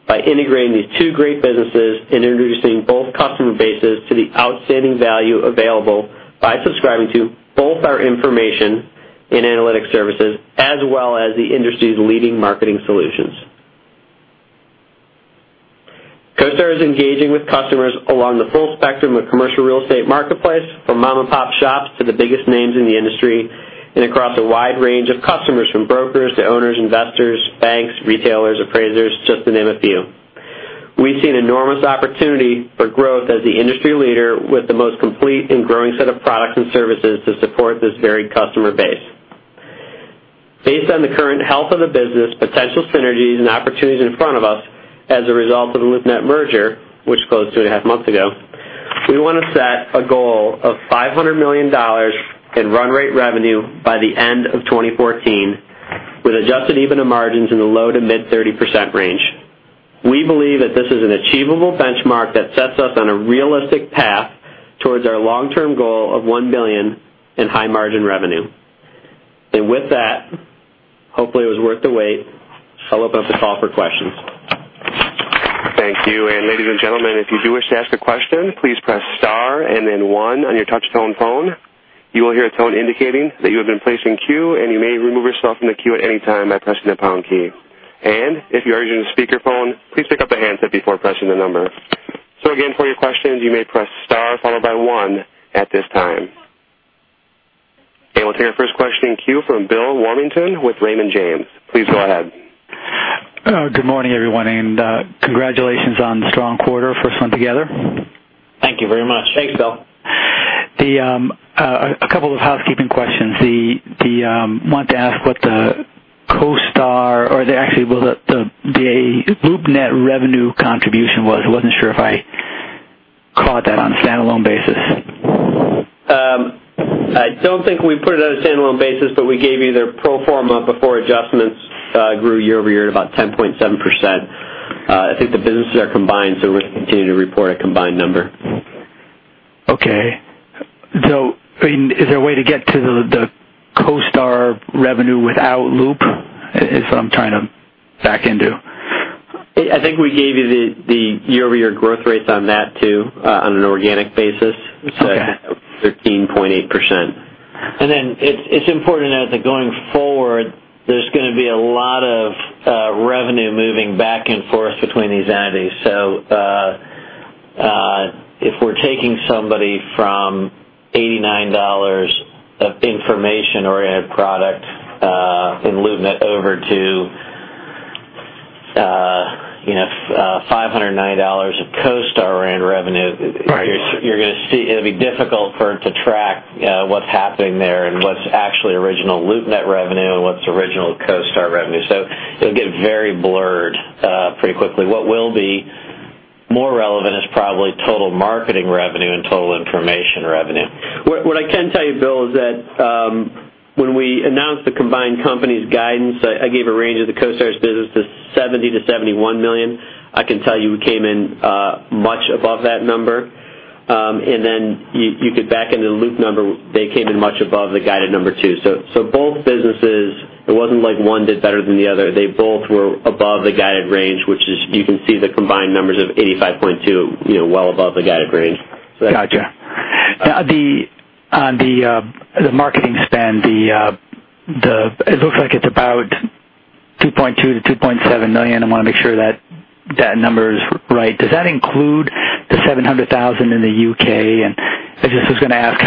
Speaker 4: by integrating these two great businesses and introducing both customer bases to the outstanding value available by subscribing to both our information and analytic services, as well as the industry's leading marketing solutions. CoStar is engaging with customers along the full spectrum of commercial real estate marketplace, from mom-and-pop shops to the biggest names in the industry and across a wide range of customers, from brokers to owners, investors, banks, retailers, appraisers, just to name a few. We see an enormous opportunity for growth as the industry leader with the most complete and growing set of products and services to support this varied customer base. Based on the current health of the business, potential synergies, and opportunities in front of us as a result of the LoopNet merger, which closed two and a half months ago, we want to set a goal of $500 million in run rate revenue by the end of 2014, with adjusted EBITDA margins in the low to mid 30% range. We believe that this is an achievable benchmark that sets us on a realistic path towards our long-term goal of $1 billion in high-margin revenue. With that, hopefully it was worth the wait. I'll open up the call for questions.
Speaker 1: Thank you. Ladies and gentlemen, if you do wish to ask a question, please press star and then one on your touch-tone phone. You will hear a tone indicating that you have been placed in queue, and you may remove yourself from the queue at any time by pressing the pound key. If you are using a speakerphone, please pick up the handset before pressing the number. Again, for your questions, you may press star followed by one at this time. We'll take our first question in queue from Bill Warmington with Raymond James. Please go ahead.
Speaker 5: Good morning, everyone. Congratulations on the strong quarter, first one together.
Speaker 3: Thank you very much.
Speaker 4: Thanks, Bill.
Speaker 5: A couple of housekeeping questions. Wanted to ask what the CoStar or actually, what the LoopNet revenue contribution was. I wasn't sure if I- I caught that on a standalone basis.
Speaker 4: I don't think we put it on a standalone basis, but we gave you their pro forma before adjustments grew year-over-year at about 10.7%. I think the businesses are combined, so we're going to continue to report a combined number.
Speaker 5: Okay. Is there a way to get to the CoStar revenue without Loop? Is what I'm trying to back into.
Speaker 4: I think we gave you the year-over-year growth rates on that too, on an organic basis.
Speaker 5: Okay.
Speaker 4: 13.8%.
Speaker 3: It's important to note that going forward, there's going to be a lot of revenue moving back and forth between these entities. If we're taking somebody from $89 of information-oriented product in LoopNet over to $509 of CoStar revenue.
Speaker 5: Right
Speaker 3: It'll be difficult for it to track what's happening there and what's actually original LoopNet revenue and what's original CoStar revenue. It'll get very blurred pretty quickly. What will be more relevant is probably total marketing revenue and total information revenue.
Speaker 4: What I can tell you, Bill, is that when we announced the combined company's guidance, I gave a range of the CoStar's business as $70 million-$71 million. I can tell you we came in much above that number. You could back into the Loop number. They came in much above the guided number too. Both businesses, it wasn't like one did better than the other. They both were above the guided range, which is, you can see the combined numbers of $85.2 million, well above the guided range.
Speaker 5: Got you. On the marketing spend it looks like it's about $2.2 million-$2.7 million. I want to make sure that number is right. Does that include the $700,000 in the U.K.? I just was going to ask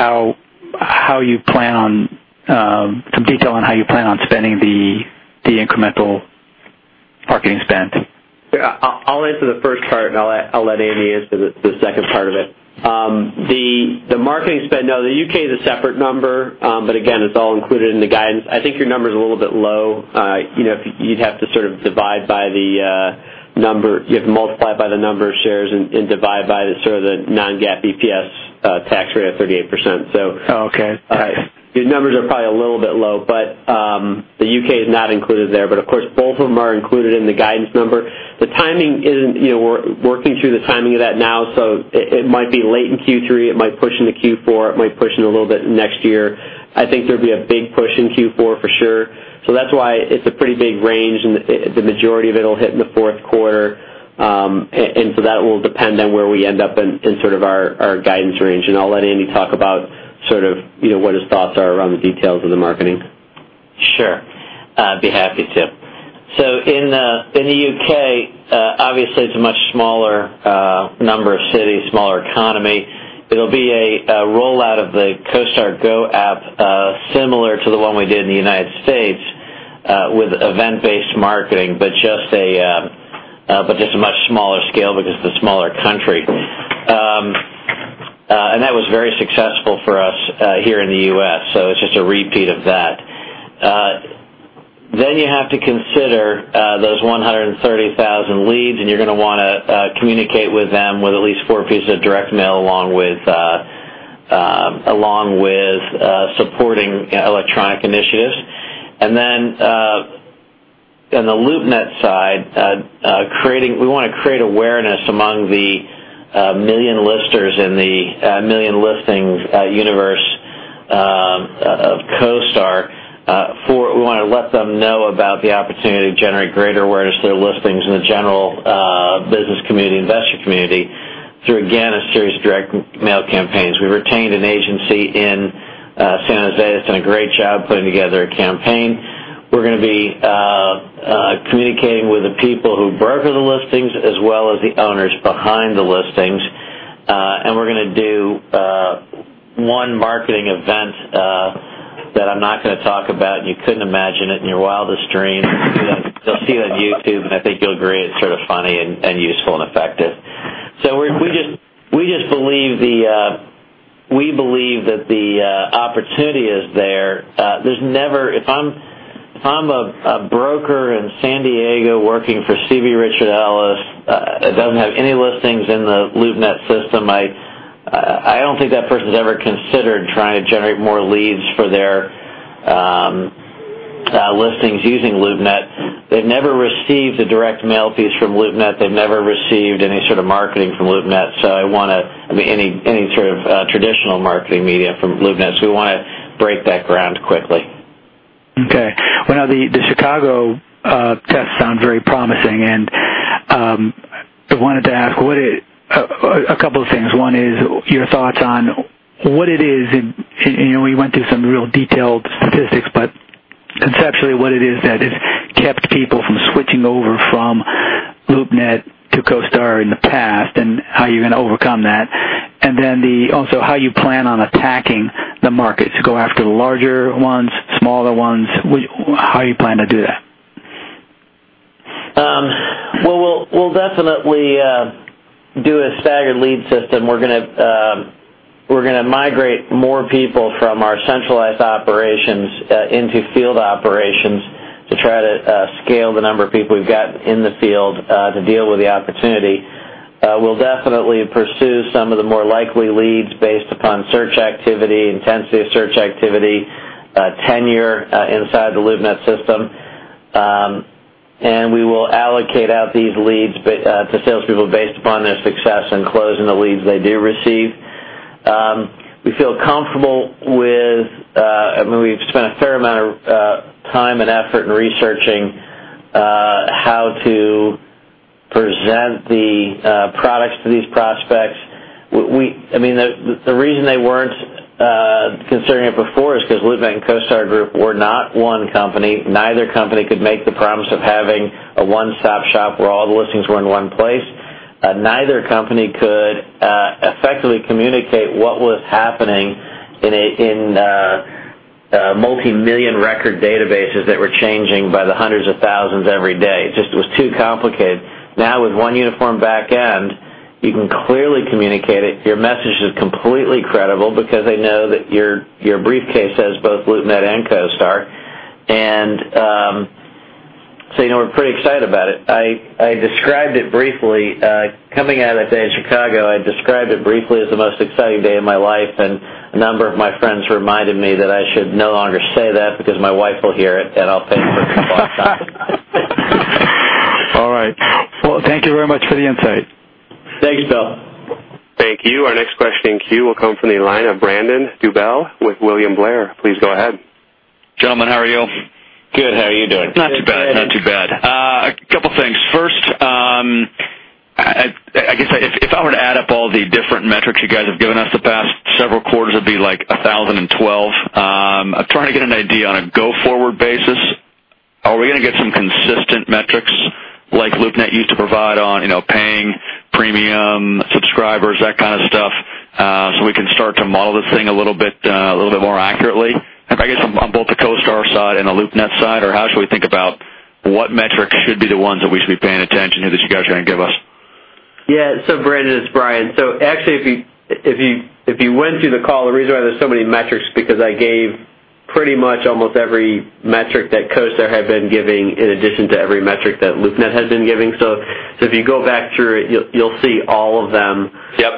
Speaker 5: some detail on how you plan on spending the incremental marketing spend.
Speaker 4: I'll answer the first part, and I'll let Andy answer the second part of it. The marketing spend, no. The U.K. is a separate number, but again, it's all included in the guidance. I think your number's a little bit low. You'd have to multiply by the number of shares and divide by the sort of the non-GAAP EPS tax rate of 38%.
Speaker 5: Oh, okay. All right.
Speaker 4: The U.K. is not included there, of course, both of them are included in the guidance number. We're working through the timing of that now, it might be late in Q3, it might push into Q4, it might push in a little bit next year. I think there'll be a big push in Q4 for sure. That's why it's a pretty big range, and the majority of it will hit in the fourth quarter. That will depend on where we end up in sort of our guidance range. I'll let Andy talk about what his thoughts are around the details of the marketing.
Speaker 3: Sure. I'd be happy to. In the U.K., obviously it's a much smaller number of cities, smaller economy. It'll be a rollout of the CoStar Go app, similar to the one we did in the U.S., with event-based marketing, but just a much smaller scale because it's a smaller country. That was very successful for us here in the U.S., it's just a repeat of that. You have to consider those 130,000 leads, you're going to want to communicate with them with at least four pieces of direct mail along with supporting electronic initiatives. On the LoopNet side, we want to create awareness among the million listers in the million listings universe of CoStar. We want to let them know about the opportunity to generate greater awareness to their listings in the general business community, investor community through, again, a series of direct mail campaigns. We retained an agency in San Jose that's done a great job putting together a campaign. We're going to be communicating with the people who broker the listings as well as the owners behind the listings. We're going to do one marketing event that I'm not going to talk about, you couldn't imagine it in your wildest dreams. You'll see it on YouTube, I think you'll agree it's sort of funny and useful and effective. We believe that the opportunity is there. If I'm a broker in San Diego working for CBRE Group, Inc., that doesn't have any listings in the LoopNet system, I don't think that person's ever considered trying to generate more leads for their listings using LoopNet. They've never received a direct mail piece from LoopNet. They've never received any sort of marketing from LoopNet, any sort of traditional marketing media from LoopNet. We want to break that ground quickly.
Speaker 5: Okay. Well, now the Chicago test sounds very promising, I wanted to ask a couple of things. One is your thoughts on what it is, and we went through some real detailed statistics, but conceptually, what it is that has kept people from switching over from LoopNet to CoStar in the past, and how you're going to overcome that. Then also how you plan on attacking the markets. To go after the larger ones, smaller ones. How you plan to do that?
Speaker 3: Well, we'll definitely do a staggered lead system. We're going to migrate more people from our centralized operations into field operations to try to scale the number of people we've got in the field to deal with the opportunity. We'll definitely pursue some of the more likely leads based upon search activity, intensity of search activity, tenure inside the LoopNet system. We will allocate out these leads to salespeople based upon their success in closing the leads they do receive. We've spent a fair amount of time and effort in researching how to present the products to these prospects. The reason they weren't considering it before is because LoopNet and CoStar Group were not one company. Neither company could make the promise of having a one-stop shop where all the listings were in one place. Neither company could effectively communicate what was happening in multimillion record databases that were changing by the hundreds of thousands every day. It just was too complicated. Now, with one uniform back end, you can clearly communicate it. Your message is completely credible because they know that your briefcase has both LoopNet and CoStar, we're pretty excited about it. Coming out of that day in Chicago, I described it briefly as the most exciting day of my life, a number of my friends reminded me that I should no longer say that because my wife will hear it, and I'll pay for it a few more times.
Speaker 5: All right. Well, thank you very much for the insight.
Speaker 3: Thanks, Bill.
Speaker 1: Thank you. Our next question in queue will come from the line of Brandon Ribar with William Blair. Please go ahead.
Speaker 6: Gentlemen, how are you?
Speaker 3: Good. How are you doing?
Speaker 6: Not too bad. A couple of things. First, I guess if I were to add up all the different metrics you guys have given us the past several quarters, it'd be like 1,012. I'm trying to get an idea on a go-forward basis. Are we going to get some consistent metrics like LoopNet used to provide on paying premium subscribers, that kind of stuff, so we can start to model this thing a little bit more accurately? I guess on both the CoStar side and the LoopNet side, or how should we think about what metrics should be the ones that we should be paying attention to that you guys are going to give us?
Speaker 4: Yeah. Brandon, it's Brian. Actually, if you went through the call, the reason why there's so many metrics is because I gave pretty much almost every metric that CoStar had been giving, in addition to every metric that LoopNet has been giving. If you go back through it, you'll see all of them.
Speaker 6: Yep.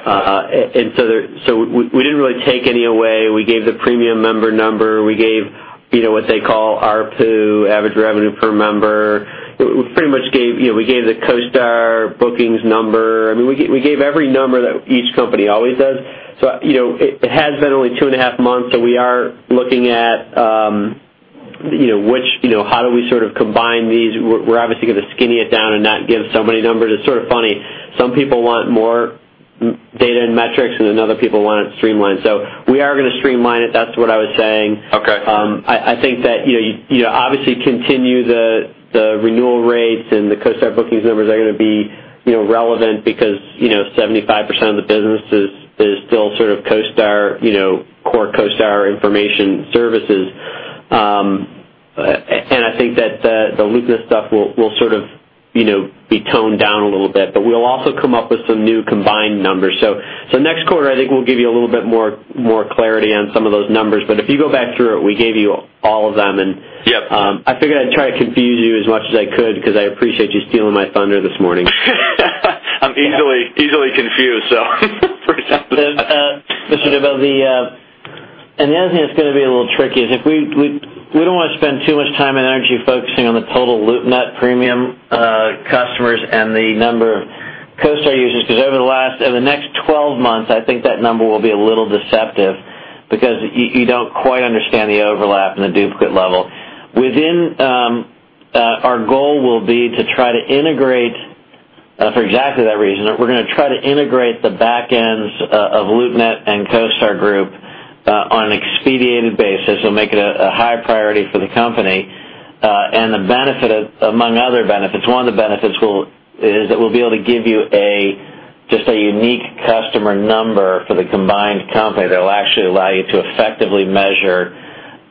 Speaker 4: We didn't really take any away. We gave the premium member number. We gave what they call ARPU, average revenue per member. We gave the CoStar bookings number. We gave every number that each company always does. It has been only two and a half months, we are looking at how do we sort of combine these. We're obviously going to skinny it down and not give so many numbers. It's sort of funny. Some people want more data and metrics, and then other people want it streamlined. We are going to streamline it. That's what I was saying.
Speaker 6: Okay.
Speaker 4: I think that obviously continue the renewal rates and the CoStar bookings numbers are going to be relevant because 75% of the business is still sort of CoStar, core CoStar information services. I think that the LoopNet stuff will sort of be toned down a little bit, but we'll also come up with some new combined numbers. Next quarter, I think we'll give you a little bit more clarity on some of those numbers. If you go back through it, we gave you all of them.
Speaker 6: Yep
Speaker 4: I figured I'd try to confuse you as much as I could because I appreciate you stealing my thunder this morning.
Speaker 6: I'm easily confused, appreciate that.
Speaker 3: Listen, you know, the other thing that's going to be a little tricky is we don't want to spend too much time and energy focusing on the total LoopNet premium customers and the number of CoStar users, because over the next 12 months, I think that number will be a little deceptive because you don't quite understand the overlap and the duplicate level. Our goal will be to try to integrate for exactly that reason. We're going to try to integrate the back ends of LoopNet and CoStar Group on an expedited basis. We'll make it a high priority for the company. The benefit, among other benefits, one of the benefits is that we'll be able to give you just a unique customer number for the combined company that will actually allow you to effectively measure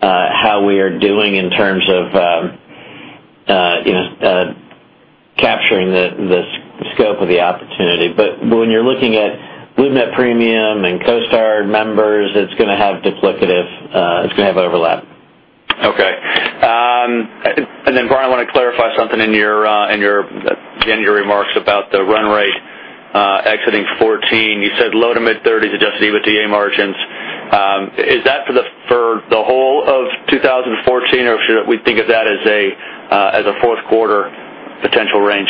Speaker 3: how we are doing in terms of capturing the scope of the opportunity. When you're looking at LoopNet premium and CoStar members, it's going to have overlap.
Speaker 6: Okay. Brian, I want to clarify something in your remarks about the run rate exiting 2014. You said low to mid-30% adjusted EBITDA margins. Is that for the whole of 2014, or should we think of that as a fourth quarter potential range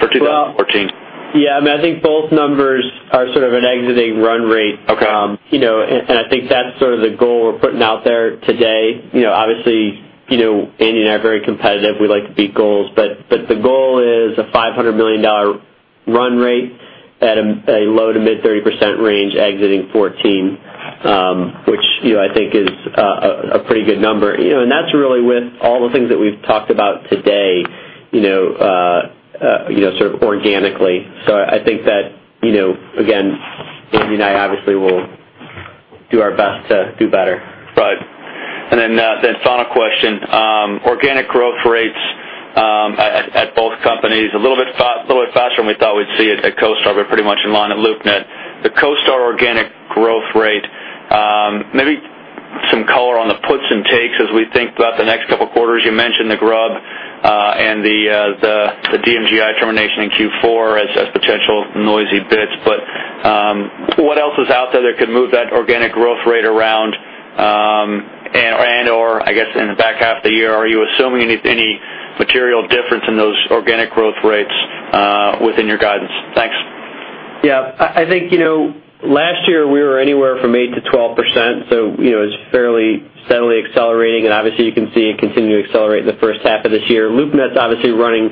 Speaker 6: for 2014?
Speaker 4: Yeah, I think both numbers are sort of an exiting run rate.
Speaker 6: Okay.
Speaker 4: I think that's sort of the goal we're putting out there today. Obviously, Andy and I are very competitive. We like to beat goals. The goal is a $500 million run rate at a low to mid-30% range exiting 2014, which I think is a pretty good number. That's really with all the things that we've talked about today sort of organically. I think that, again, Andy and I obviously will do our best to do better.
Speaker 6: Right. Final question. Organic growth rates A little bit faster than we thought we'd see at CoStar, but pretty much in line at LoopNet. The CoStar organic growth rate, maybe some color on the puts and takes as we think about the next couple quarters. You mentioned the Grubb, and the DMGI termination in Q4 as potential noisy bits. What else is out there that could move that organic growth rate around, and/or, I guess, in the back half of the year, are you assuming any material difference in those organic growth rates within your guidance? Thanks. I think, last year we were anywhere from 8%-12%, so it was fairly steadily accelerating, and obviously you can see it continue to accelerate in the first half of this year. LoopNet's obviously running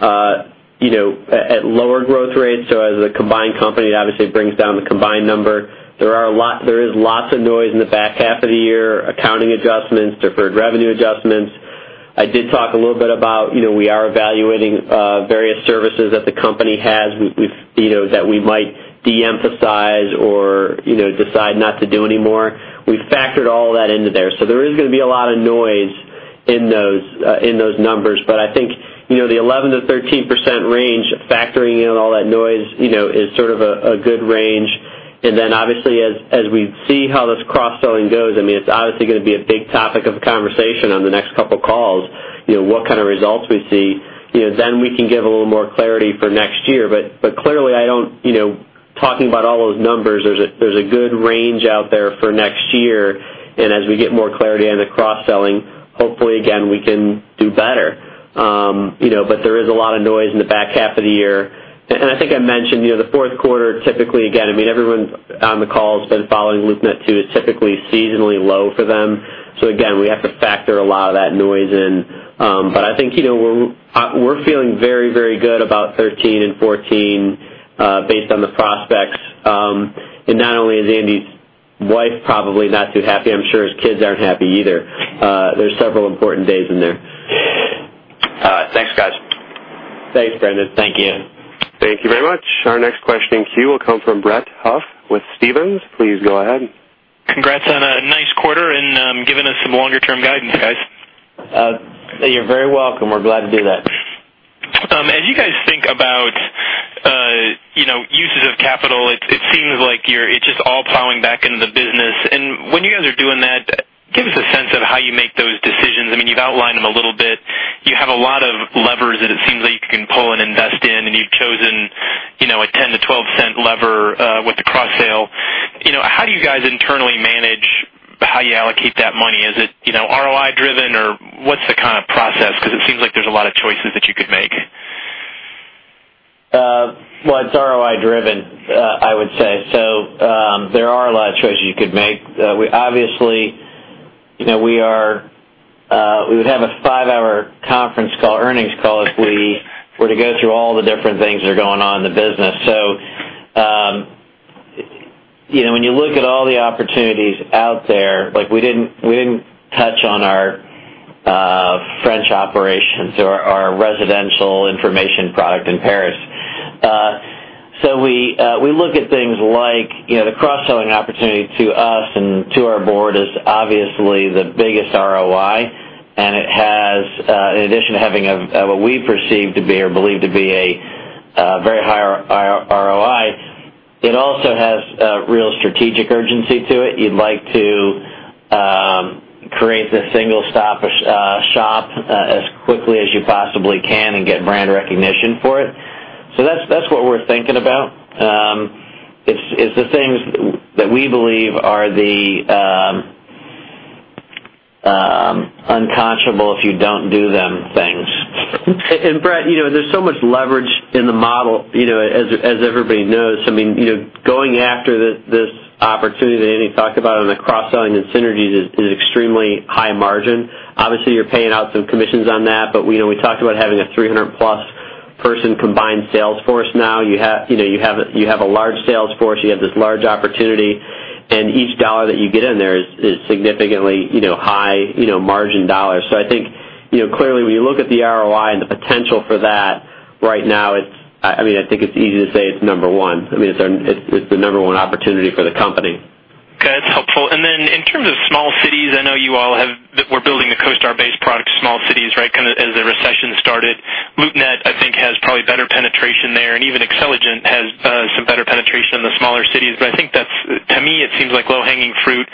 Speaker 6: at lower growth rates, so as a combined company, it obviously brings down the combined number.
Speaker 4: There is lots of noise in the back half of the year, accounting adjustments, deferred revenue adjustments. I did talk a little bit about how we are evaluating various services that the company has that we might de-emphasize or decide not to do anymore. We've factored all that into there. There is going to be a lot of noise in those numbers, but I think the 11%-13% range, factoring in all that noise, is sort of a good range. Obviously, as we see how this cross-selling goes, it's obviously going to be a big topic of conversation on the next couple calls, what kind of results we see. We can give a little more clarity for next year. Clearly, talking about all those numbers, there's a good range out there for next year, and as we get more clarity on the cross-selling, hopefully, again, we can do better. There is a lot of noise in the back half of the year. I think I mentioned, the fourth quarter, typically, again, everyone on the call has been following LoopNet too. It's typically seasonally low for them. Again, we have to factor a lot of that noise in. I think we're feeling very good about 2013 and 2014 based on the prospects. Not only is Andy's wife probably not too happy, I'm sure his kids aren't happy either. There's several important days in there. Thanks, guys. Thanks, Brandon. Thank you.
Speaker 1: Thank you very much. Our next question in queue will come from Brett Huff with Stephens. Please go ahead.
Speaker 7: Congrats on a nice quarter and giving us some longer-term guidance, guys.
Speaker 3: You are very welcome. We are glad to do that.
Speaker 7: As you guys think about uses of capital, it seems like it is just all plowing back into the business. When you guys are doing that, give us a sense of how you make those decisions. You have outlined them a little bit. You have a lot of levers that it seems like you can pull and invest in. You have chosen a $0.10-$0.12 lever with the cross-sale. How do you guys internally manage how you allocate that money? Is it ROI driven, or what is the kind of process? It seems like there is a lot of choices that you could make.
Speaker 4: Well, it is ROI driven, I would say. There are a lot of choices you could make. Obviously, we would have a five-hour conference call, earnings call if we were to go through all the different things that are going on in the business. When you look at all the opportunities out there, like we did not touch on our French operations or our residential information product in Paris. We look at things like the cross-selling opportunity to us and to our board is obviously the biggest ROI. In addition to having what we perceive to be or believe to be a very high ROI, it also has a real strategic urgency to it. You would like to create this single-stop shop as quickly as you possibly can and get brand recognition for it. That is what we are thinking about. It's the things that we believe are the unconscionable if you don't do them things. Brett, there's so much leverage in the model, as everybody knows. Going after this opportunity that Andy talked about on the cross-selling and synergies is extremely high margin. Obviously, you're paying out some commissions on that, but we talked about having a 300-plus person combined sales force now. You have a large sales force, you have this large opportunity, and each dollar that you get in there is significantly high margin dollars. I think, clearly, when you look at the ROI and the potential for that right now, I think it's easy to say it's number one. It's the number one opportunity for the company.
Speaker 7: Okay. That's helpful. Then in terms of small cities, I know you all were building a CoStar-based product, small cities, right as the recession started. LoopNet, I think, has probably better penetration there, and even Xceligent has some better penetration in the smaller cities. To me, it seems like low-hanging fruit.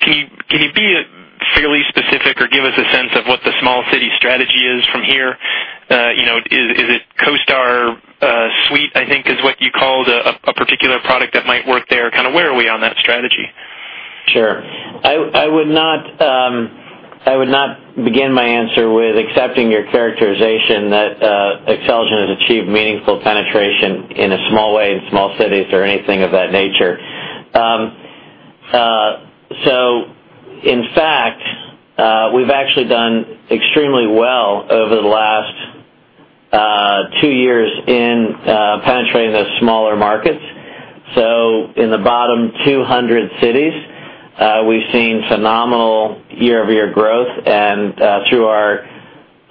Speaker 7: Can you be fairly specific or give us a sense of what the small city strategy is from here? Is it CoStar Suite, I think, is what you called a particular product that might work there. Where are we on that strategy?
Speaker 3: Sure. I would not begin my answer with accepting your characterization that Xceligent has achieved meaningful penetration in a small way in small cities or anything of that nature. In fact, we've actually done extremely well over the last two years in penetrating those smaller markets. In the bottom 200 cities, we've seen phenomenal year-over-year growth. Through our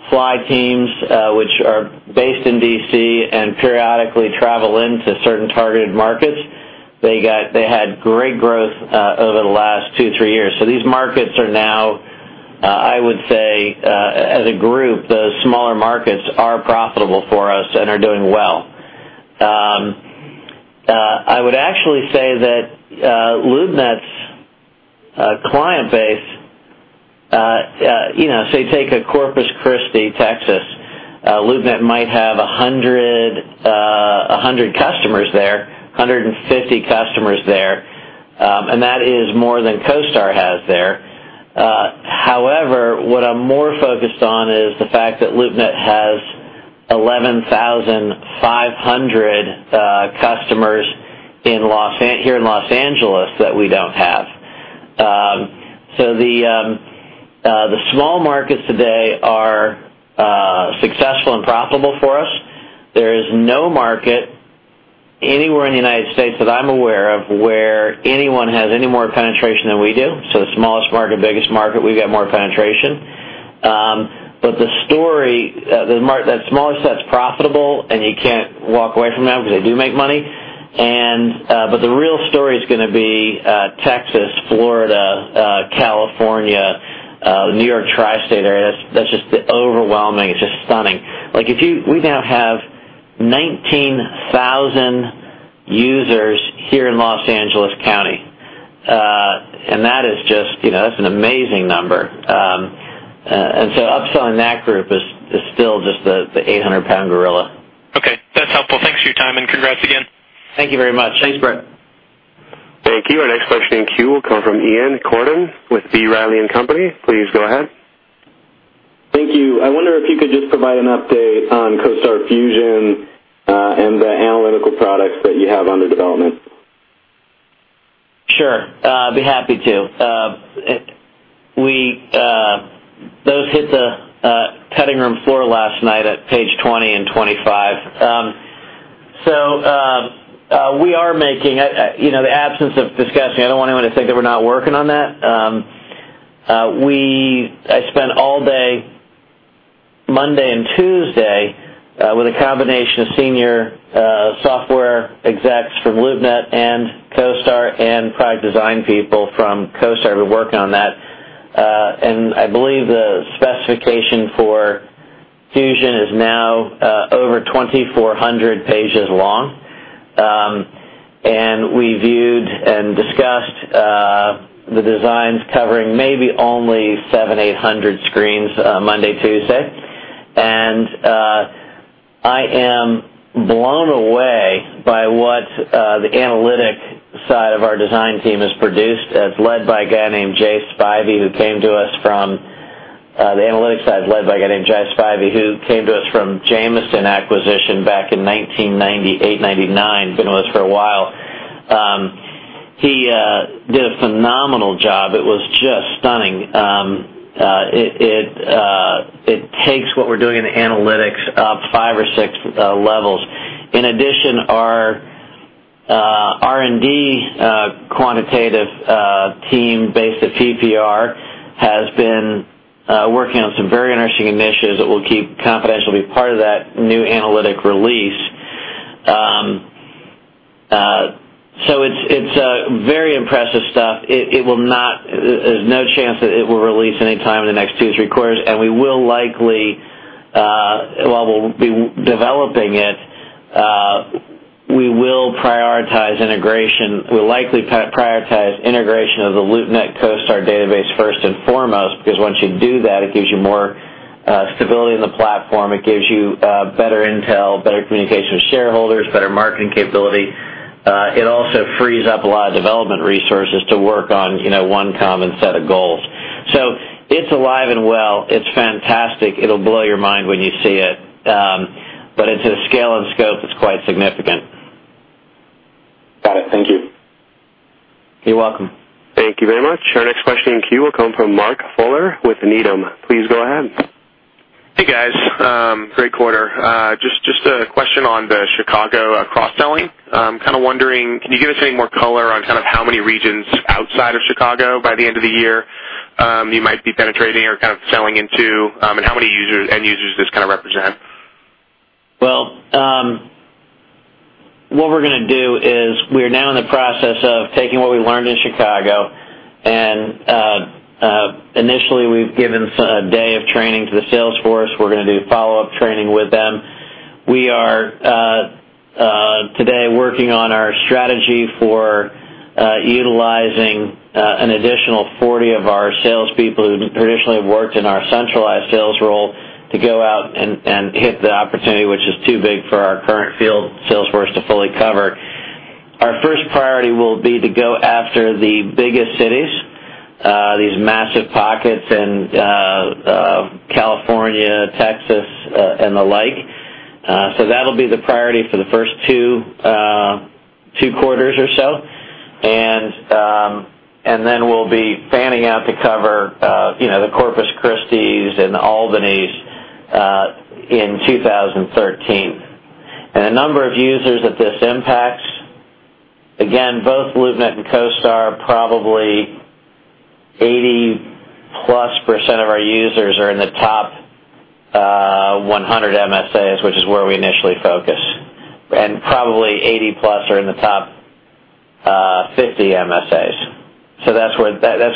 Speaker 3: fly teams, which are based in D.C. and periodically travel into certain targeted markets, they had great growth over the last two, three years. These markets are now I would say, as a group, those smaller markets are profitable for us and are doing well. I would actually say that LoopNet's client base, say, take a Corpus Christi, Texas, LoopNet might have 100 customers there, 150 customers there, and that is more than CoStar has there. The small markets today are successful and profitable for us. There is no market anywhere in the United States that I'm aware of, where anyone has any more penetration than we do. The smallest market, biggest market, we've got more penetration. The story, that smallest set's profitable and you can't walk away from them because they do make money, but the real story's going to be Texas, Florida, California, New York tri-state area. That's just overwhelming. It's just stunning. We now have 19,000 users here in Los Angeles County, that's an amazing number. Upselling that group is still just the 800-pound gorilla.
Speaker 7: Okay. That's helpful. Thanks for your time, congrats again.
Speaker 3: Thank you very much. Thanks, Brett.
Speaker 1: Thank you. Our next question in queue will come from Ian Corydon with B. Riley & Company. Please go ahead.
Speaker 8: Thank you. I wonder if you could just provide an update on CoStar Fusion, and the analytical products that you have under development.
Speaker 3: Sure. I'd be happy to. Those hit the cutting room floor last night at page 20 and 25. We are making The absence of discussion, I don't want anyone to think that we're not working on that. I spent all day Monday and Tuesday with a combination of senior software execs from LoopNet and CoStar and product design people from CoStar. We're working on that. I believe the specification for Fusion is now over 2,400 pages long. We viewed and discussed the designs covering maybe only 700, 800 screens Monday, Tuesday. I am blown away by what the analytic side of our design team has produced, led by a guy named Jay Spivey, who came to us from the analytics side, who came to us from Jamison acquisition back in 1998, '99, been with us for a while. He did a phenomenal job. It was just stunning. It takes what we're doing in analytics up 5 or 6 levels. In addition, our R&D quantitative team based at PPR has been working on some very interesting initiatives that we'll keep confidential, will be part of that new analytic release. It's very impressive stuff. There's no chance that it will release any time in the next two to three quarters, and while we'll be developing it, we will prioritize integration. We'll likely prioritize integration of the LoopNet CoStar database first and foremost, because once you do that, it gives you more stability in the platform. It gives you better intel, better communication with shareholders, better marketing capability. It also frees up a lot of development resources to work on one common set of goals. It's alive and well. It's fantastic. It'll blow your mind when you see it. It's a scale and scope that's quite significant.
Speaker 8: Got it. Thank you.
Speaker 3: You're welcome.
Speaker 1: Thank you very much. Our next question in the queue will come from Mark Fuller with Needham. Please go ahead.
Speaker 9: Hey, guys. Great quarter. Just a question on the Chicago cross-selling. I'm kind of wondering, can you give us any more color on how many regions outside of Chicago by the end of the year you might be penetrating or kind of selling into, and how many end users this kind of represent?
Speaker 3: What we're going to do is we're now in the process of taking what we learned in Chicago, initially, we've given a day of training to the sales force. We're going to do follow-up training with them. We are today working on our strategy for utilizing an additional 40 of our salespeople who traditionally have worked in our centralized sales role to go out and hit the opportunity, which is too big for our current field sales force to fully cover. Our first priority will be to go after the biggest cities, these massive pockets in California, Texas, and the like. That'll be the priority for the first two quarters or so. Then we'll be fanning out to cover the Corpus Christis and the Albanys in 2013. The number of users that this impacts, again, both LoopNet and CoStar, probably 80-plus % of our users are in the top 100 MSAs, which is where we initially focus. Probably 80-plus % are in the top The MSAs. That's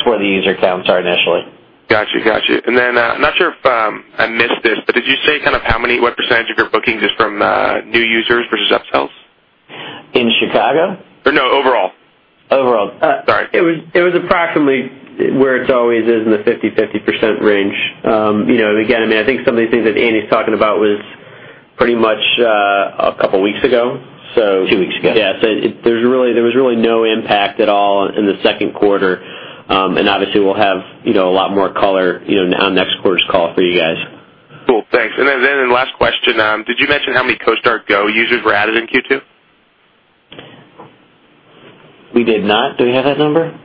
Speaker 3: where the user counts are initially.
Speaker 9: Got you. Then, I'm not sure if I missed this, did you say what % of your bookings is from new users versus upsells?
Speaker 3: In Chicago?
Speaker 9: No, overall.
Speaker 3: Overall.
Speaker 9: Sorry.
Speaker 4: I think some of the things that Andy's talking about was pretty much a couple of weeks ago.
Speaker 9: Two weeks ago.
Speaker 4: Yes. There was really no impact at all in the second quarter. Obviously, we'll have a lot more color on next quarter's call for you guys.
Speaker 9: Cool. Thanks. Last question, did you mention how many CoStar Go users were added in Q2?
Speaker 3: We did not. Do we have that number?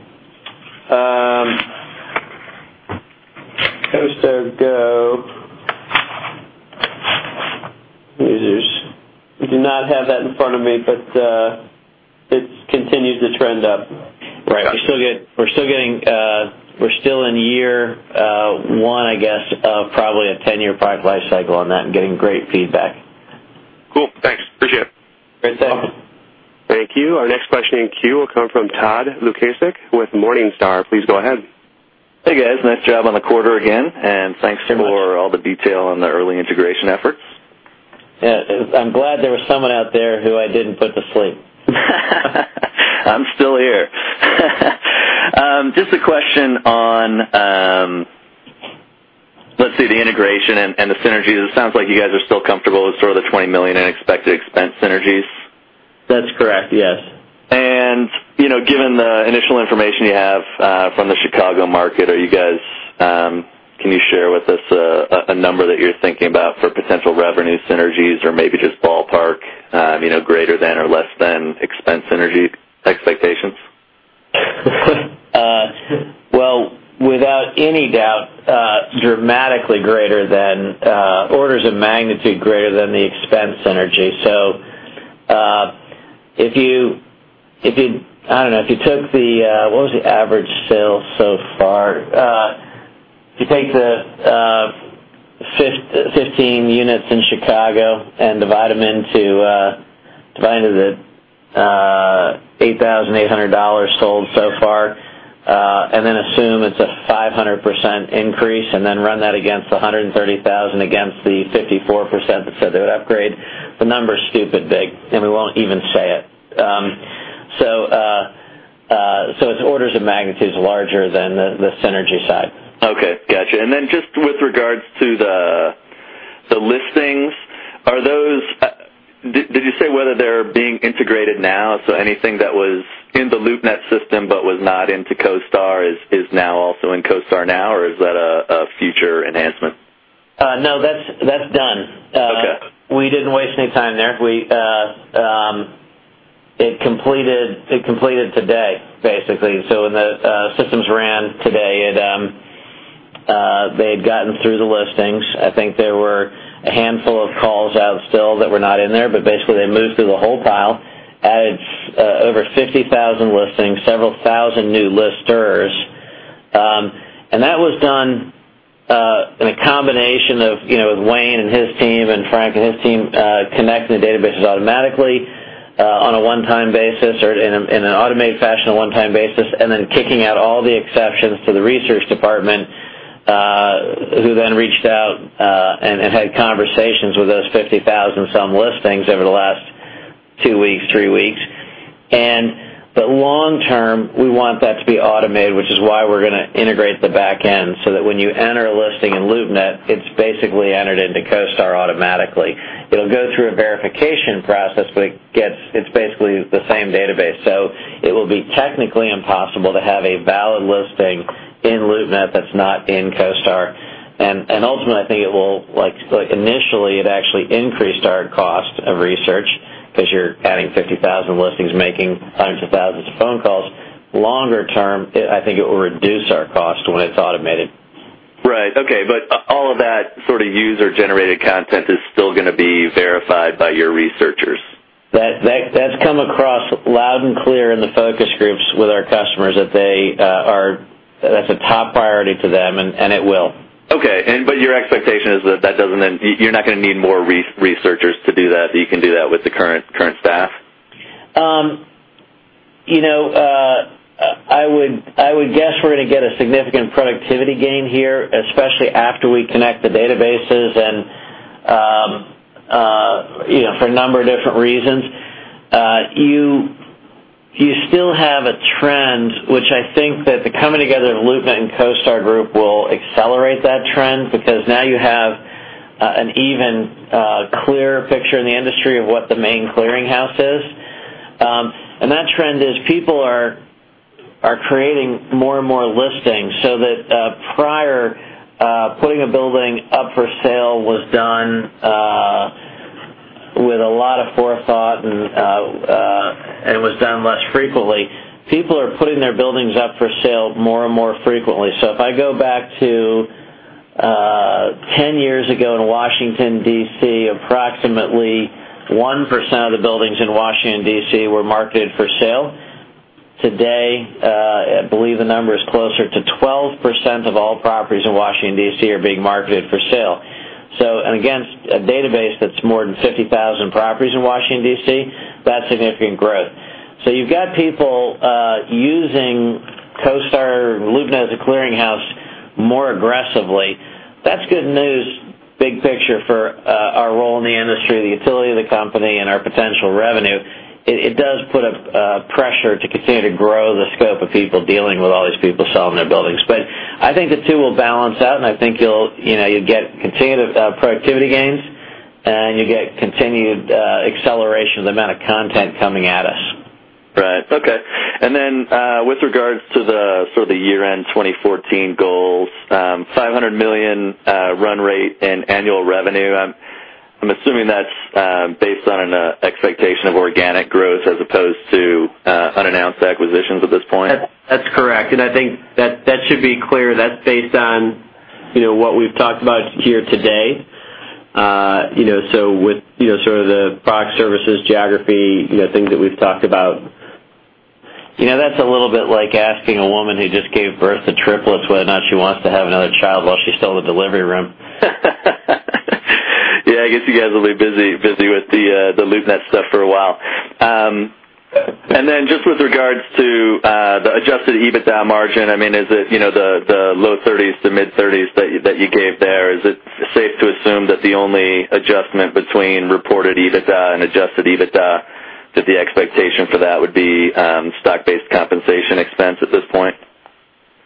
Speaker 4: CoStar Go users.
Speaker 3: We do not have that in front of me, it's continued to trend up.
Speaker 9: Right.
Speaker 3: We're still in year one, I guess, of probably a 10-year product life cycle on that and getting great feedback.
Speaker 9: Cool. Thanks. Appreciate it.
Speaker 3: Great. Thanks.
Speaker 9: Welcome.
Speaker 1: Thank you. Our next question in queue will come from Todd Lukasik with Morningstar. Please go ahead.
Speaker 10: Hey, guys. Nice job on the quarter again, and thanks for all the detail on the early integration efforts.
Speaker 3: Yeah. I'm glad there was someone out there who I didn't put to sleep.
Speaker 10: I'm still here. Just a question on, let's see, the integration and the synergies. It sounds like you guys are still comfortable with sort of the $20 million in expected expense synergies.
Speaker 3: That's correct. Yes.
Speaker 10: Given the initial information you have from the Chicago market, can you share with us a number that you're thinking about for potential revenue synergies, or maybe just ballpark, greater than or less than expense synergy expectations?
Speaker 3: Well, without any doubt, dramatically greater than, orders of magnitude greater than the expense synergy. If you, I don't know, what was the average sale so far? If you take the 15 units in Chicago and divide them into the $8,800 sold so far, then assume it's a 500% increase, then run that against the 130,000 against the 54% that said they would upgrade, the number's stupid big, and we won't even say it. It's orders of magnitude larger than the synergy side.
Speaker 10: Okay. Got you. Then just with regards to the listings, did you say whether they're being integrated now? Anything that was in the LoopNet system but was not into CoStar is now also in CoStar now, or is that a future enhancement?
Speaker 3: No, that's done.
Speaker 10: Okay.
Speaker 3: We didn't waste any time there. It completed today, basically. When the systems ran today, they had gotten through the listings. I think there were a handful of calls out still that were not in there, but basically, they moved through the whole pile, added over 50,000 listings, several thousand new listers. That was done in a combination of Wayne and his team and Frank and his team connecting the databases automatically in an automated fashion on a one-time basis, and then kicking out all the exceptions to the research department, who then reached out and had conversations with those 50,000 some listings over the last two weeks, three weeks. Long term, we want that to be automated, which is why we're going to integrate the back end so that when you enter a listing in LoopNet, it's basically entered into CoStar automatically. It'll go through a verification process, but it's basically the same database. It will be technically impossible to have a valid listing in LoopNet that's not in CoStar. Ultimately, I think initially, it actually increased our cost of research because you're adding 50,000 listings, making hundreds of thousands of phone calls. Longer term, I think it will reduce our cost when it's automated.
Speaker 10: Right. Okay. All of that sort of user-generated content is still going to be verified by your researchers.
Speaker 3: That's come across loud and clear in the focus groups with our customers, that's a top priority to them, and it will.
Speaker 10: Okay. Your expectation is that you're not going to need more researchers to do that you can do that with the current staff?
Speaker 3: I would guess we're going to get a significant productivity gain here, especially after we connect the databases and for a number of different reasons. You still have a trend, which I think that the coming together of LoopNet and CoStar Group will accelerate that trend because now you have an even clearer picture in the industry of what the main clearinghouse is. That trend is people are creating more and more listings so that prior, putting a building up for sale was done with a lot of forethought, and it was done less frequently. People are putting their buildings up for sale more and more frequently. If I go back to 10 years ago in Washington, D.C., approximately 1% of the buildings in Washington, D.C. were marketed for sale. Today, I believe the number is closer to Of all properties in Washington, D.C. are being marketed for sale. And again, it's a database that's more than 50,000 properties in Washington, D.C., that's significant growth. You've got people using CoStar, LoopNet as a clearinghouse more aggressively. That's good news, big picture for our role in the industry, the utility of the company and our potential revenue. It does put a pressure to continue to grow the scope of people dealing with all these people selling their buildings. I think the two will balance out, and I think you'll get continued productivity gains, and you get continued acceleration of the amount of content coming at us.
Speaker 10: Right. Okay. Then, with regards to the sort of the year-end 2014 goals, $500 million run rate in annual revenue, I'm assuming that's based on an expectation of organic growth as opposed to unannounced acquisitions at this point.
Speaker 3: That's correct. I think that should be clear. That's based on what we've talked about here today. With sort of the product services, geography, things that we've talked about. That's a little bit like asking a woman who just gave birth to triplets whether or not she wants to have another child while she's still in the delivery room.
Speaker 10: Yeah, I guess you guys will be busy with the LoopNet stuff for a while. Then just with regards to the adjusted EBITDA margin, is it the low thirties to mid-thirties that you gave there, is it safe to assume that the only adjustment between reported EBITDA and adjusted EBITDA, that the expectation for that would be stock-based compensation expense at this point?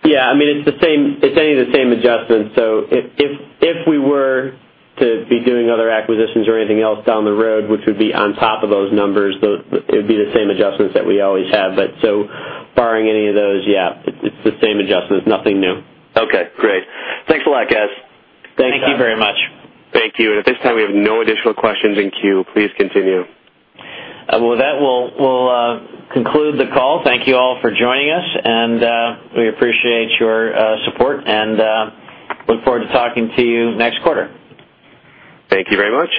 Speaker 3: Yeah. It's any of the same adjustments. If we were to be doing other acquisitions or anything else down the road, which would be on top of those numbers, it'd be the same adjustments that we always have. Barring any of those, yeah, it's the same adjustments. Nothing new.
Speaker 10: Okay, great. Thanks a lot, guys.
Speaker 3: Thanks.
Speaker 4: Thank you very much.
Speaker 1: Thank you. At this time, we have no additional questions in queue. Please continue.
Speaker 3: With that, we'll conclude the call. Thank you all for joining us, and we appreciate your support and look forward to talking to you next quarter.
Speaker 1: Thank you very much.